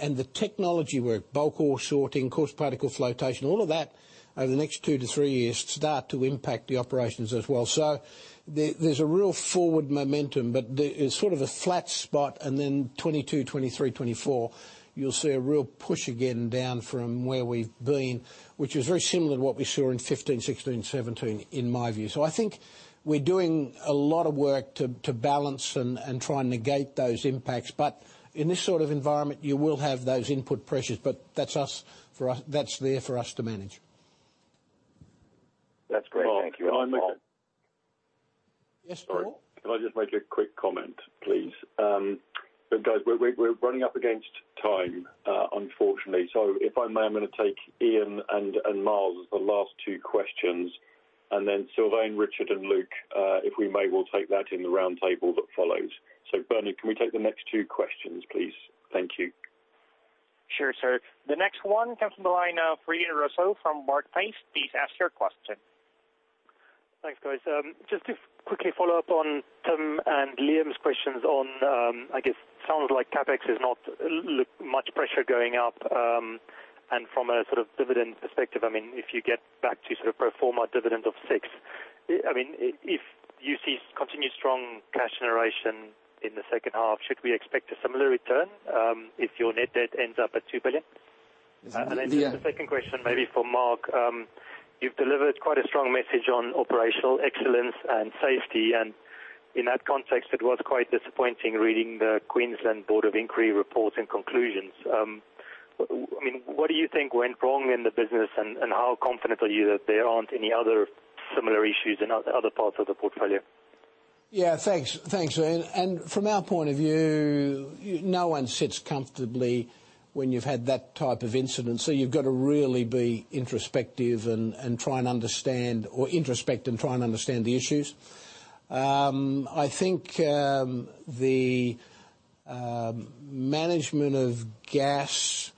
A: The technology work, bulk ore sorting, coarse particle flotation, all of that over the next two-three years start to impact the operations as well. There's a real forward momentum, but there is sort of a flat spot, and then 2022, 2023, 2024, you'll see a real push again down from where we've been, which is very similar to what we saw in 2015, 2016, 2017, in my view. I think we're doing a lot of work to balance and try and negate those impacts. In this sort of environment, you will have those input pressures, but that's there for us to manage.
I: That's great. Thank you.
A: Paul. Yes, Paul?
J: Sorry. Can I just make a quick comment, please? Guys, we're running up against time, unfortunately. If I may, I'm going to take Ian and Myles as the last two questions, and then Sylvain, Richard, and Luke, if we may, we'll take that in the roundtable that follows. Bernie, can we take the next two questions, please? Thank you.
C: Sure, sir. The next one comes from the line of Ian Rossouw from Barclays. Please ask your question.
K: Thanks, guys. Just to quickly follow up on Tim and Liam's questions on, I guess, sounded like CapEx is not much pressure going up. From a sort of dividend perspective, if you get back to sort of pro forma dividend of six, if you see continued strong cash generation in the second half, should we expect a similar return if your net debt ends up at $2 billion?
A: Yeah.
K: The second question maybe for Mark. You've delivered quite a strong message on operational excellence and safety, and in that context, it was quite disappointing reading the Queensland Board of Inquiry report and conclusions. What do you think went wrong in the business, and how confident are you that there aren't any other similar issues in other parts of the portfolio?
A: Yeah. Thanks, Ian. From our point of view, no one sits comfortably when you've had that type of incident. You've got to really be introspective and try and understand or introspect and try and understand the issues. I think the management of gas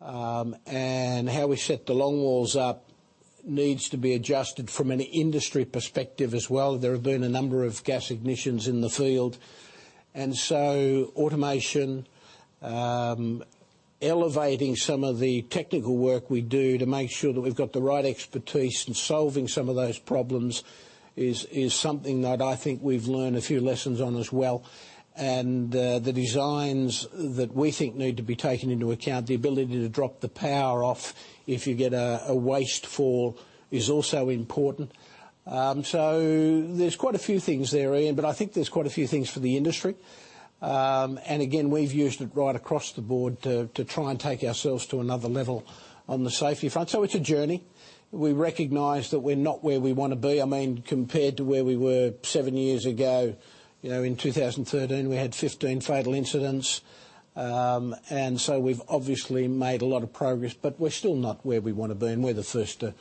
A: and how we set the longwalls up needs to be adjusted from an industry perspective as well. There have been a number of gas ignitions in the field. Automation, elevating some of the technical work we do to make sure that we've got the right expertise in solving some of those problems is something that I think we've learned a few lessons on as well. The designs that we think need to be taken into account, the ability to drop the power off if you get a waste fall is also important. There's quite a few things there, Ian, but I think there's quite a few things for the industry. Again, we've used it right across the board to try and take ourselves to another level on the safety front. It's a journey. We recognize that we're not where we want to be. Compared to where we were seven years ago, in 2013, we had 15 fatal incidents. We've obviously made a lot of progress, but we're still not where we want to be, and we're the first to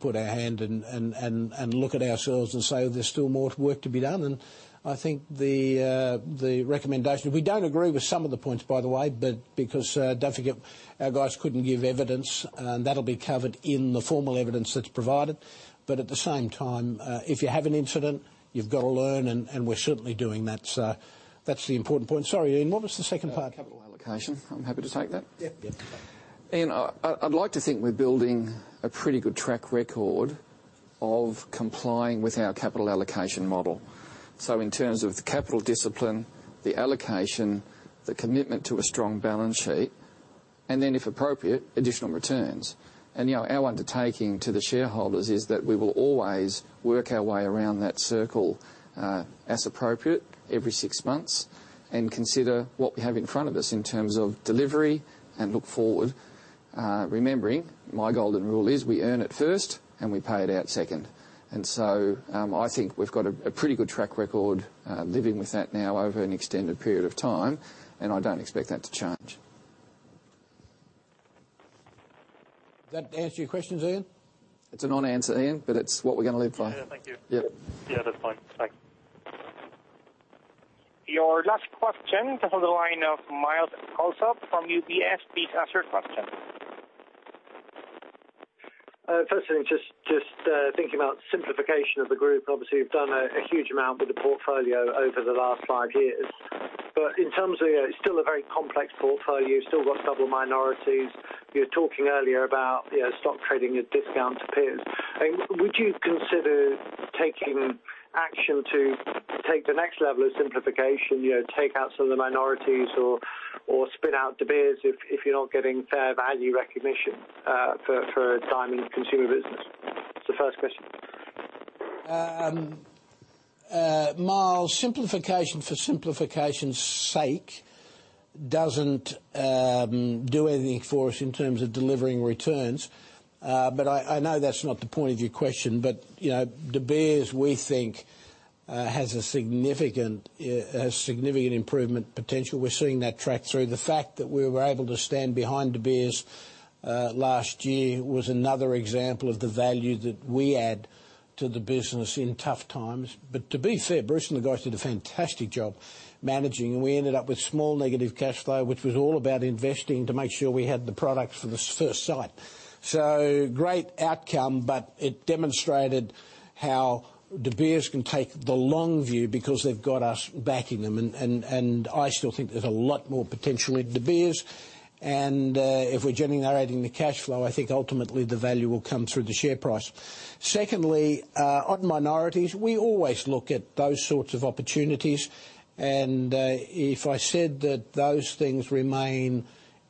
A: put our hand and look at ourselves and say there's still more work to be done. I think the recommendation. We don't agree with some of the points, by the way, because don't forget, our guys couldn't give evidence, and that'll be covered in the formal evidence that's provided. At the same time, if you have an incident, you've got to learn, and we're certainly doing that. That's the important point. Sorry, Ian, what was the second part?
B: Capital allocation. I'm happy to take that.
A: Yeah.
B: Ian, I'd like to think we're building a pretty good track record of complying with our capital allocation model, in terms of the capital discipline, the allocation, the commitment to a strong balance sheet, and then, if appropriate, additional returns. Our undertaking to the shareholders is that we will always work our way around that circle, as appropriate every six months, and consider what we have in front of us in terms of delivery and look forward. Remembering my golden rule is we earn it first and we pay it out second. I think we've got a pretty good track record living with that now over an extended period of time, and I don't expect that to change.
A: Does that answer your question, Ian?
B: It's a non-answer, Ian, but it's what we're going to live by.
K: Yeah. Thank you. Yeah. Yeah. That's fine. Thanks.
C: Your last question comes on the line of Myles Allsop from UBS. Please ask your question.
L: Firstly, just thinking about simplification of the group. Obviously, you've done a huge amount with the portfolio over the last five years. In terms of, it's still a very complex portfolio, you've still got double minorities. You were talking earlier about stock trading at discounts to peers. Would you consider taking action to take the next level of simplification, take out some of the minorities or spin out De Beers if you're not getting fair value recognition for diamond consumer business? That's the first question.
A: Myles, simplification for simplification's sake doesn't do anything for us in terms of delivering returns. I know that's not the point of your question. De Beers, we think, has significant improvement potential. We're seeing that track through. The fact that we were able to stand behind De Beers last year was another example of the value that we add to the business in tough times. To be fair, Bruce and the guys did a fantastic job managing, and we ended up with small negative cash flow, which was all about investing to make sure we had the product for the first sight. Great outcome, but it demonstrated how De Beers can take the long view because they've got us backing them. I still think there's a lot more potential in De Beers. If we're generating the cash flow, I think ultimately the value will come through the share price. Secondly, on minorities, we always look at those sorts of opportunities. If I said that those things remain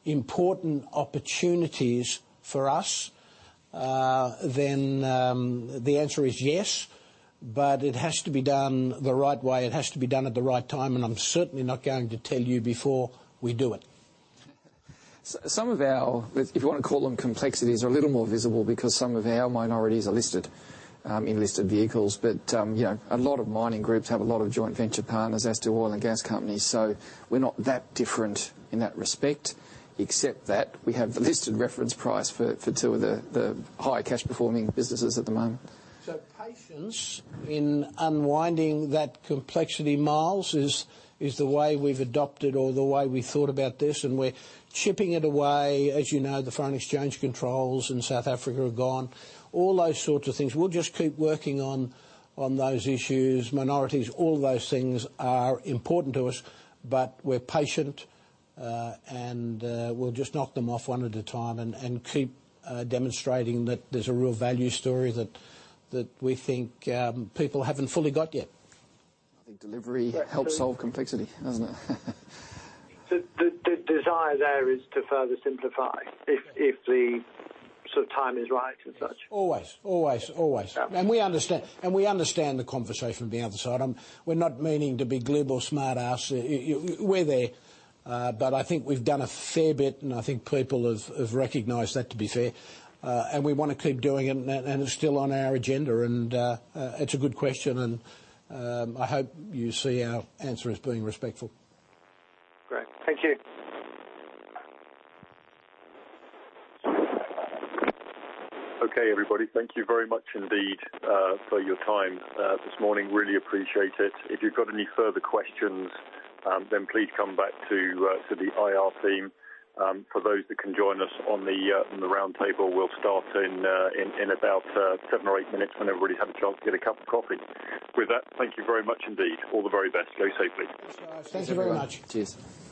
A: important opportunities for us, the answer is yes. It has to be done the right way, it has to be done at the right time, and I'm certainly not going to tell you before we do it.
B: Some of our, if you want to call them complexities, are a little more visible because some of our minorities are listed in listed vehicles. A lot of mining groups have a lot of joint venture partners as do oil and gas companies. We're not that different in that respect, except that we have the listed reference price for two of the high cash performing businesses at the moment.
A: Patience in unwinding that complexity, Myles, is the way we've adopted or the way we thought about this, and we're chipping it away. As you know, the foreign exchange controls in South Africa are gone. All those sorts of things. We'll just keep working on those issues, minorities, all those things are important to us. We're patient, and we'll just knock them off one at a time and keep demonstrating that there's a real value story that we think people haven't fully got yet.
B: I think delivery helps solve complexity, doesn't it?
L: The desire there is to further simplify if the time is right and such.
A: Always. We understand the conversation from the other side. We're not meaning to be glib or smart-ass. We're there. I think we've done a fair bit, and I think people have recognized that, to be fair. We want to keep doing it, and it's still on our agenda. It's a good question, and I hope you see our answer as being respectful.
L: Great. Thank you.
J: Okay, everybody. Thank you very much indeed for your time this morning. Really appreciate it. If you've got any further questions, then please come back to the IR team. For those that can join us on the round table, we'll start in about seven or eight minutes when everybody's had a chance to get a cup of coffee. With that, thank you very much indeed. All the very best. Stay safely.
A: Thanks very much.
B: Cheers.